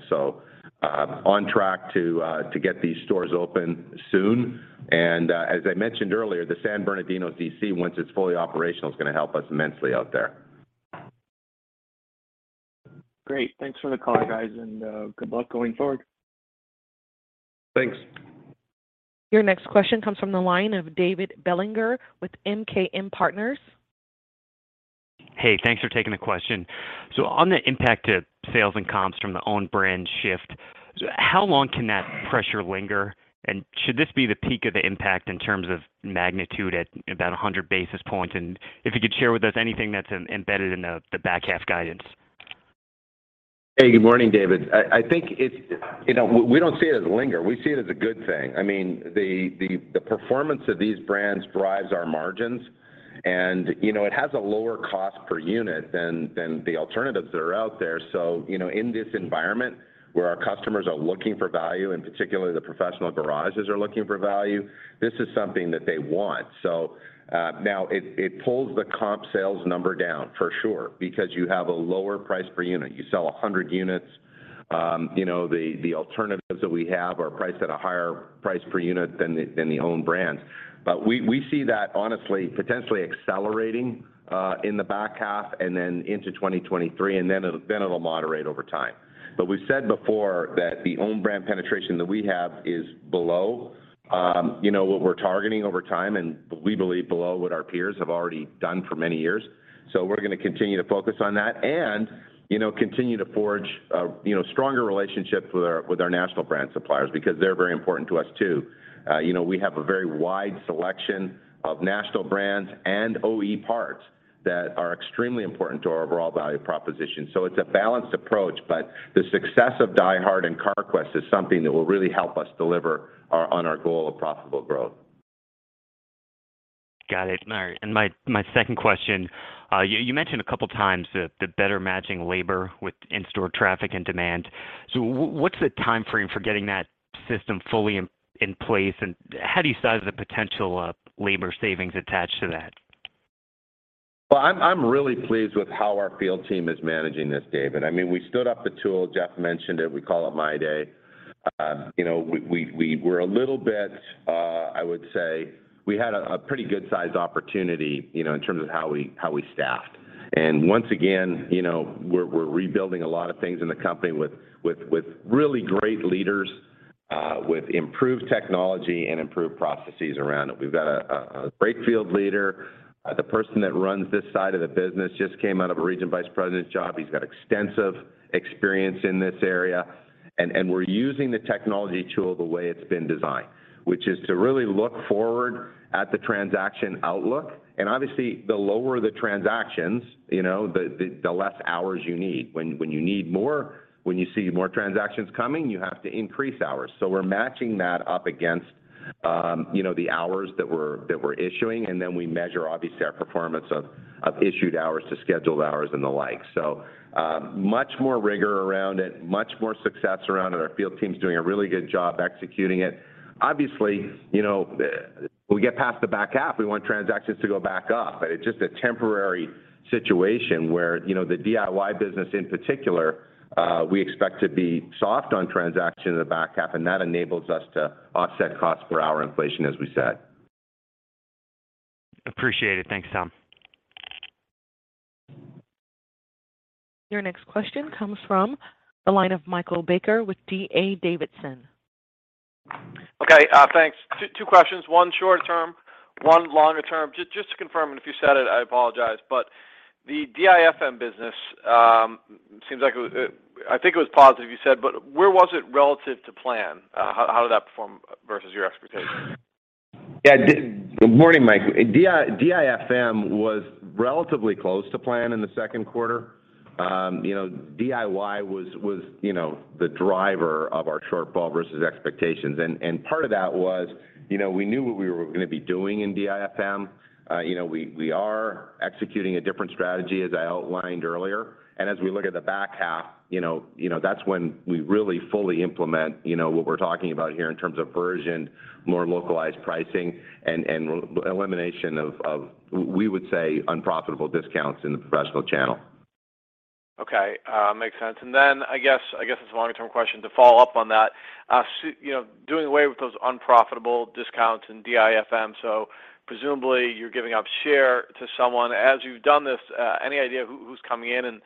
On track to get these stores open soon. As I mentioned earlier, the San Bernardino D.C., once it's fully operational, is gonna help us immensely out there. Great. Thanks for the call, guys, and good luck going forward. Thanks. Your next question comes from the line of David Bellinger with MKM Partners. Hey, thanks for taking the question. On the impact to sales and comps from the own brand shift, how long can that pressure linger? Should this be the peak of the impact in terms of magnitude at about 100 basis points? If you could share with us anything that's embedded in the back half guidance. Hey, good morning, David. I think it's you know, we don't see it as lingering. We see it as a good thing. I mean, the performance of these brands drives our margins and, you know, it has a lower cost per unit than the alternatives that are out there. You know, in this environment where our customers are looking for value, and particularly the professional garages are looking for value, this is something that they want. Now it pulls the comp sales number down for sure, because you have a lower price per unit. You sell 100 units, you know, the alternatives that we have are priced at a higher price per unit than the own brands. We see that honestly, potentially accelerating in the back half and then into 2023, and then it'll moderate over time. We've said before that the own brand penetration that we have is below, you know, what we're targeting over time, and we believe below what our peers have already done for many years. We're gonna continue to focus on that and, you know, continue to forge a, you know, stronger relationships with our national brand suppliers because they're very important to us too. You know, we have a very wide selection of national brands and OE parts that are extremely important to our overall value proposition. It's a balanced approach, but the success of DieHard and Carquest is something that will really help us deliver on our goal of profitable growth. Got it. All right. My second question, you mentioned a couple of times the better matching labor with in-store traffic and demand. What's the timeframe for getting that system fully in place, and how do you size the potential labor savings attached to that? Well, I'm really pleased with how our field team is managing this, David. I mean, we stood up a tool, Jeff mentioned it, we call it MyDay. You know, we're a little bit, I would say we had a pretty good size opportunity, you know, in terms of how we staffed. Once again, you know, we're rebuilding a lot of things in the company with really great leaders, with improved technology and improved processes around it. We've got a great field leader. The person that runs this side of the business just came out of a region vice president job. He's got extensive experience in this area, and we're using the technology tool the way it's been designed, which is to really look forward at the transaction outlook. Obviously, the lower the transactions, the less hours you need. When you need more, when you see more transactions coming, you have to increase hours. We're matching that up against the hours that we're issuing, and then we measure obviously our performance of issued hours to scheduled hours and the like. Much more rigor around it, much more success around it. Our field team's doing a really good job executing it. When we get past the back half, we want transactions to go back up. It's just a temporary situation where the DIY business in particular, we expect to be soft on transactions in the back half, and that enables us to offset cost per hour inflation as we said. Appreciate it. Thanks, Tom. Your next question comes from the line of Michael Baker with D.A. Davidson. Okay, thanks. Two questions, one short term, one longer term. Just to confirm, if you said it, I apologize, but the DIFM business seems like it was positive, you said, but where was it relative to plan? How did that perform versus your expectations? Yeah. Good morning, Mike. DIFM was relatively close to plan in the second quarter. You know, DIY was you know the driver of our shortfall versus expectations. Part of that was, you know, we knew what we were gonna be doing in DIFM. You know, we are executing a different strategy as I outlined earlier. As we look at the back half, you know, that's when we really fully implement, you know, what we're talking about here in terms of version, more localized pricing, and elimination of we would say unprofitable discounts in the professional channel. Okay, makes sense. I guess it's a long-term question to follow up on that. You know, doing away with those unprofitable discounts in DIFM, so presumably you're giving up share to someone. As you've done this, any idea who's coming in and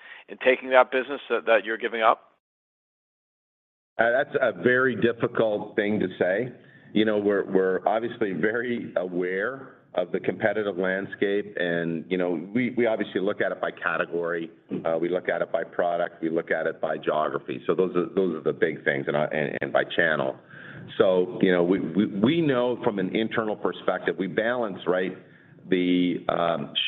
taking that business that you're giving up? That's a very difficult thing to say. You know, we're obviously very aware of the competitive landscape and, you know, we obviously look at it by category. We look at it by product, we look at it by geography. Those are the big things, and by channel. You know, we know from an internal perspective, we balance, right, the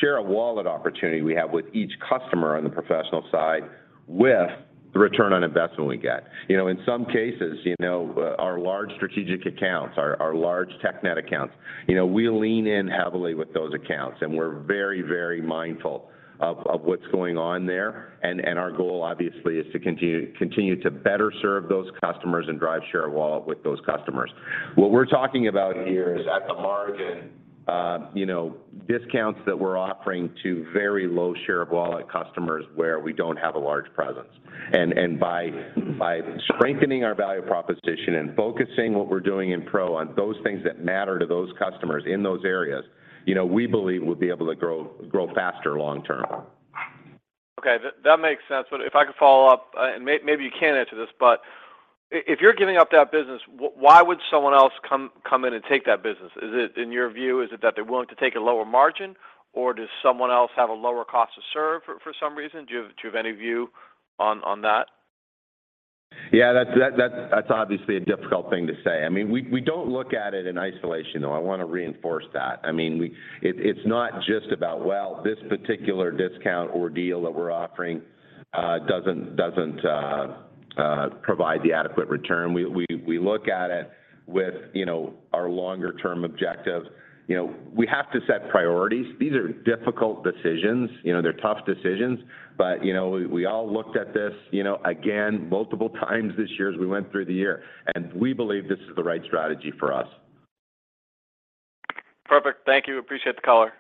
share of wallet opportunity we have with each customer on the professional side with the return on investment we get. You know, in some cases, you know, our large strategic accounts, our large TechNet accounts, you know, we lean in heavily with those accounts and we're very mindful of what's going on there. Our goal obviously is to continue to better serve those customers and drive share of wallet with those customers. What we're talking about here is at the margin, you know, discounts that we're offering to very low share of wallet customers where we don't have a large presence. By strengthening our value proposition and focusing what we're doing in Pro on those things that matter to those customers in those areas, you know, we believe we'll be able to grow faster long term. Okay, that makes sense. If I could follow up, and maybe you can't answer this, but if you're giving up that business, why would someone else come in and take that business? Is it in your view, is it that they're willing to take a lower margin, or does someone else have a lower cost to serve for some reason? Do you have any view on that? Yeah, that's obviously a difficult thing to say. I mean, we don't look at it in isolation, though. I wanna reinforce that. I mean, it's not just about, well, this particular discount or deal that we're offering doesn't provide the adequate return. We look at it with, you know, our longer term objective. You know, we have to set priorities. These are difficult decisions. You know, they're tough decisions. You know, we all looked at this, you know, again, multiple times this year as we went through the year, and we believe this is the right strategy for us. Perfect. Thank you. Appreciate the color.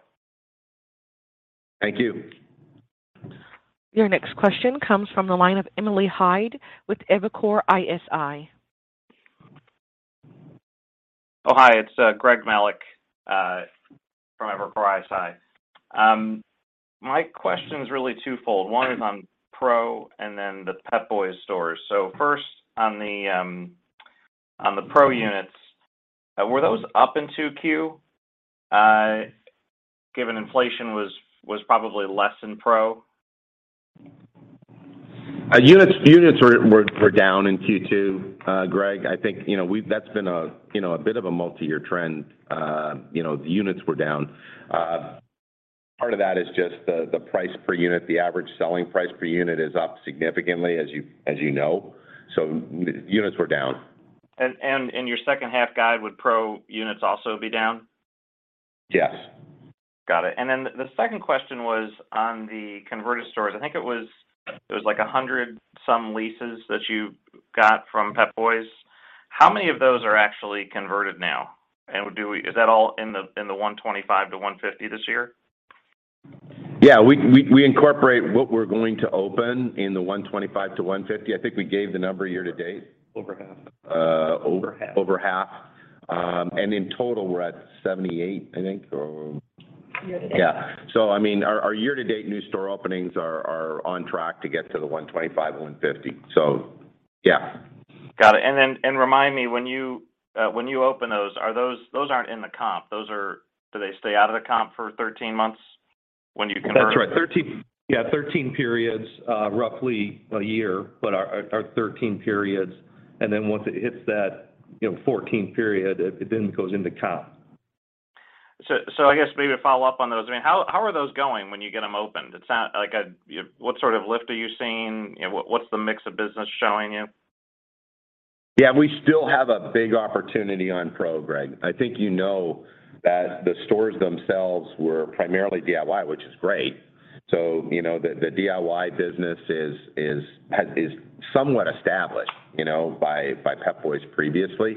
Thank you. Your next question comes from the line of Emily Hyde with Evercore ISI. It's Greg Melich from Evercore ISI. My question's really twofold. One is on Pro and then the Pep Boys stores. First on the Pro units, were those up in 2Q, given inflation was probably less than Pro? Units were down in Q2, Greg. I think, you know, that's been a bit of a multi-year trend. You know, the units were down. Part of that is just the price per unit. The average selling price per unit is up significantly as you know, so units were down. In your second half guide, would Pro units also be down? Yes. Got it. The second question was on the converted stores. I think it was like 100 some leases that you got from Pep Boys. How many of those are actually converted now? Is that all in the 125-150 this year? Yeah. We incorporate what we're going to open in the 125-150. I think we gave the number year to date. Over half. Over half. Over half. In total, we're at 78, I think or. Year to date. Yeah. I mean, our year-to-date new store openings are on track to get to the 125-150. Yeah. Got it. Remind me, when you open those aren't in the comp. Do they stay out of the comp for 13 months when you convert? That's right. Yeah, 13 periods, roughly a year. Our 13 periods, and then once it hits that, you know, 14th period, it then goes into comp. I guess maybe to follow up on those, I mean, how are those going when you get them opened? It sounds like what sort of lift are you seeing? You know, what's the mix of business showing you? Yeah, we still have a big opportunity on Pro, Greg. I think you know that the stores themselves were primarily DIY, which is great. You know, the DIY business is somewhat established, you know, by Pep Boys previously.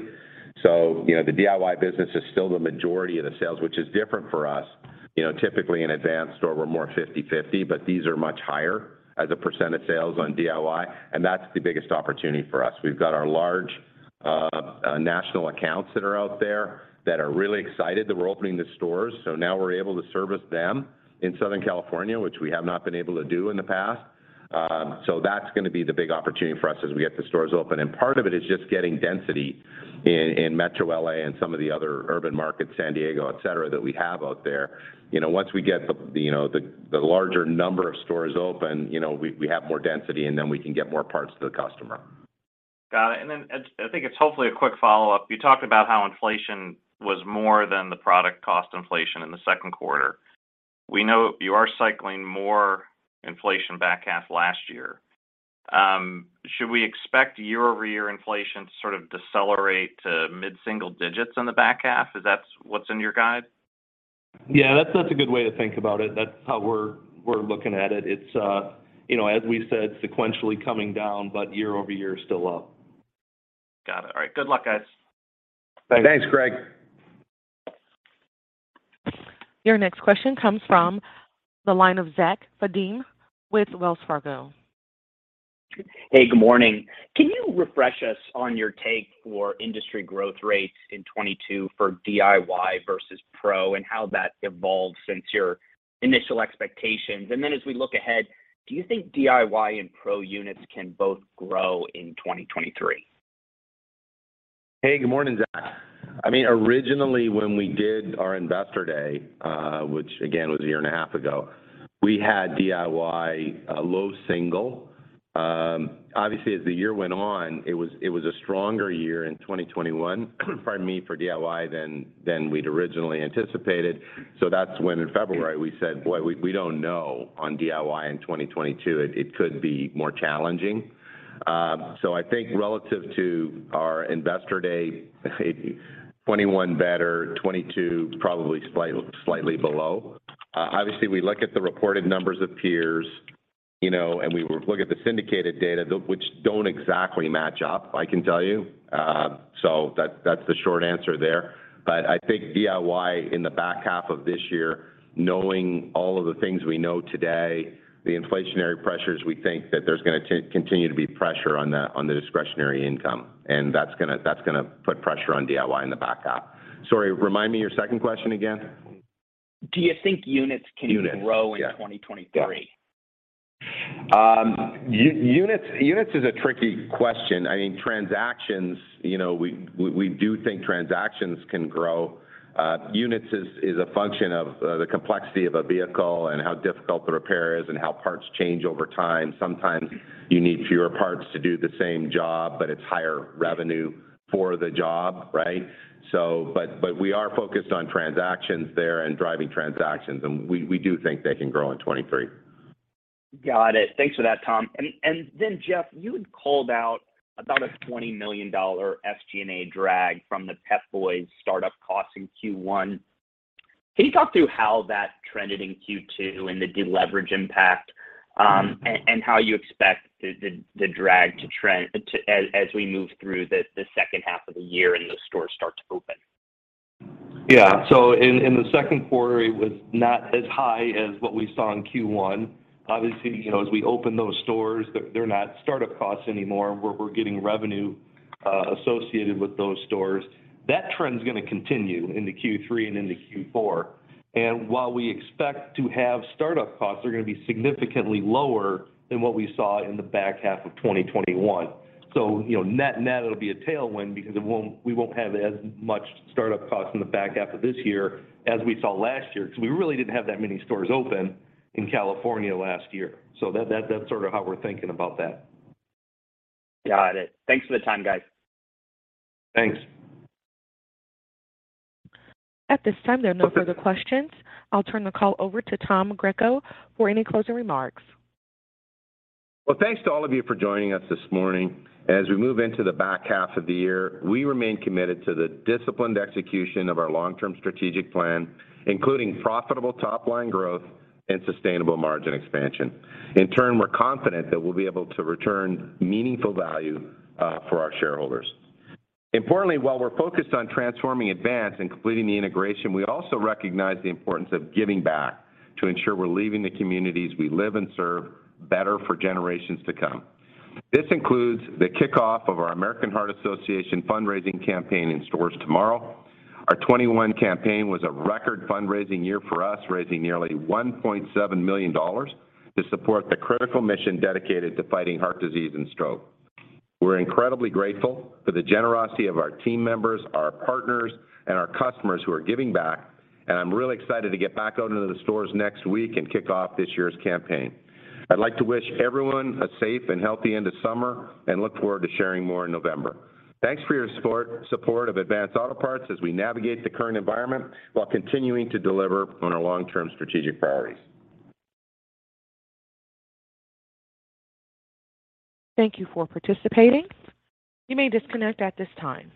You know, the DIY business is still the majority of the sales, which is different for us. You know, typically in Advance store, we're more 50/50, but these are much higher as a percentage sales on DIY, and that's the biggest opportunity for us. We've got our large national accounts that are out there that are really excited that we're opening the stores. Now we're able to service them in Southern California, which we have not been able to do in the past. That's gonna be the big opportunity for us as we get the stores open. Part of it is just getting density in Metro L.A. and some of the other urban markets, San Diego, et cetera, that we have out there. You know, once we get the, you know, the larger number of stores open, you know, we have more density, and then we can get more parts to the customer. Got it. I think it's hopefully a quick follow-up. You talked about how inflation was more than the product cost inflation in the second quarter. We know you are cycling more inflation back half last year. Should we expect year-over-year inflation to sort of decelerate to mid-single digits in the back half? Is that what's in your guide? Yeah, that's a good way to think about it. That's how we're looking at it. It's, you know, as we said, sequentially coming down, but year over year is still up. Got it. All right. Good luck, guys. Thanks, Greg. Your next question comes from the line of Zachary Fadem with Wells Fargo. Hey, good morning. Can you refresh us on your take for industry growth rates in 2022 for DIY versus Pro and how that's evolved since your initial expectations? As we look ahead, do you think DIY and Pro units can both grow in 2023? Hey, good morning, Zach. I mean, originally when we did our Investor Day, which again was a year and a half ago, we had DIY low single. Obviously as the year went on, it was a stronger year in 2021, pardon me, for DIY than we'd originally anticipated. That's when in February we said, "Boy, we don't know on DIY in 2022. It could be more challenging." I think relative to our Investor Day, 2021 better, 2022 probably slightly below. Obviously we look at the reported numbers of peers, you know, and we look at the syndicated data though which don't exactly match up, I can tell you. That's the short answer there. I think DIY in the back half of this year, knowing all of the things we know today, the inflationary pressures, we think that there's gonna continue to be pressure on the, on the discretionary income, and that's gonna put pressure on DIY in the back half. Sorry, remind me your second question again. Do you think units can grow? Units. in 2023? Units is a tricky question. I mean, transactions, you know, we do think transactions can grow. Units is a function of the complexity of a vehicle and how difficult the repair is and how parts change over time. Sometimes you need fewer parts to do the same job, but it's higher revenue for the job, right? We are focused on transactions there and driving transactions, and we do think they can grow in 2023. Got it. Thanks for that, Tom. Jeff, you had called out about a $20 million SG&A drag from the Pep Boys startup costs in Q1. Can you talk through how that trended in Q2 and the deleverage impact, and how you expect the drag to trend to as we move through the second half of the year and those stores start to open? Yeah. In the second quarter, it was not as high as what we saw in Q1. Obviously, you know, as we open those stores, they're not start-up costs anymore. We're getting revenue associated with those stores. That trend's gonna continue into Q3 and into Q4. While we expect to have start-up costs, they're gonna be significantly lower than what we saw in the back half of 2021. You know, net, it'll be a tailwind because we won't have as much start-up costs in the back half of this year as we saw last year because we really didn't have that many stores open in California last year. That's sort of how we're thinking about that. Got it. Thanks for the time, guys. Thanks. At this time, there are no further questions. I'll turn the call over to Tom Greco for any closing remarks. Well, thanks to all of you for joining us this morning. As we move into the back half of the year, we remain committed to the disciplined execution of our long-term strategic plan, including profitable top line growth and sustainable margin expansion. In turn, we're confident that we'll be able to return meaningful value for our shareholders. Importantly, while we're focused on transforming Advance and completing the integration, we also recognize the importance of giving back to ensure we're leaving the communities we live and serve better for generations to come. This includes the kickoff of our American Heart Association fundraising campaign in stores tomorrow. Our 2021 campaign was a record fundraising year for us, raising nearly $1.7 million to support the critical mission dedicated to fighting heart disease and stroke. We're incredibly grateful for the generosity of our team members, our partners, and our customers who are giving back, and I'm really excited to get back out into the stores next week and kick off this year's campaign. I'd like to wish everyone a safe and healthy end of summer and look forward to sharing more in November. Thanks for your support of Advance Auto Parts as we navigate the current environment while continuing to deliver on our long-term strategic priorities. Thank you for participating. You may disconnect at this time.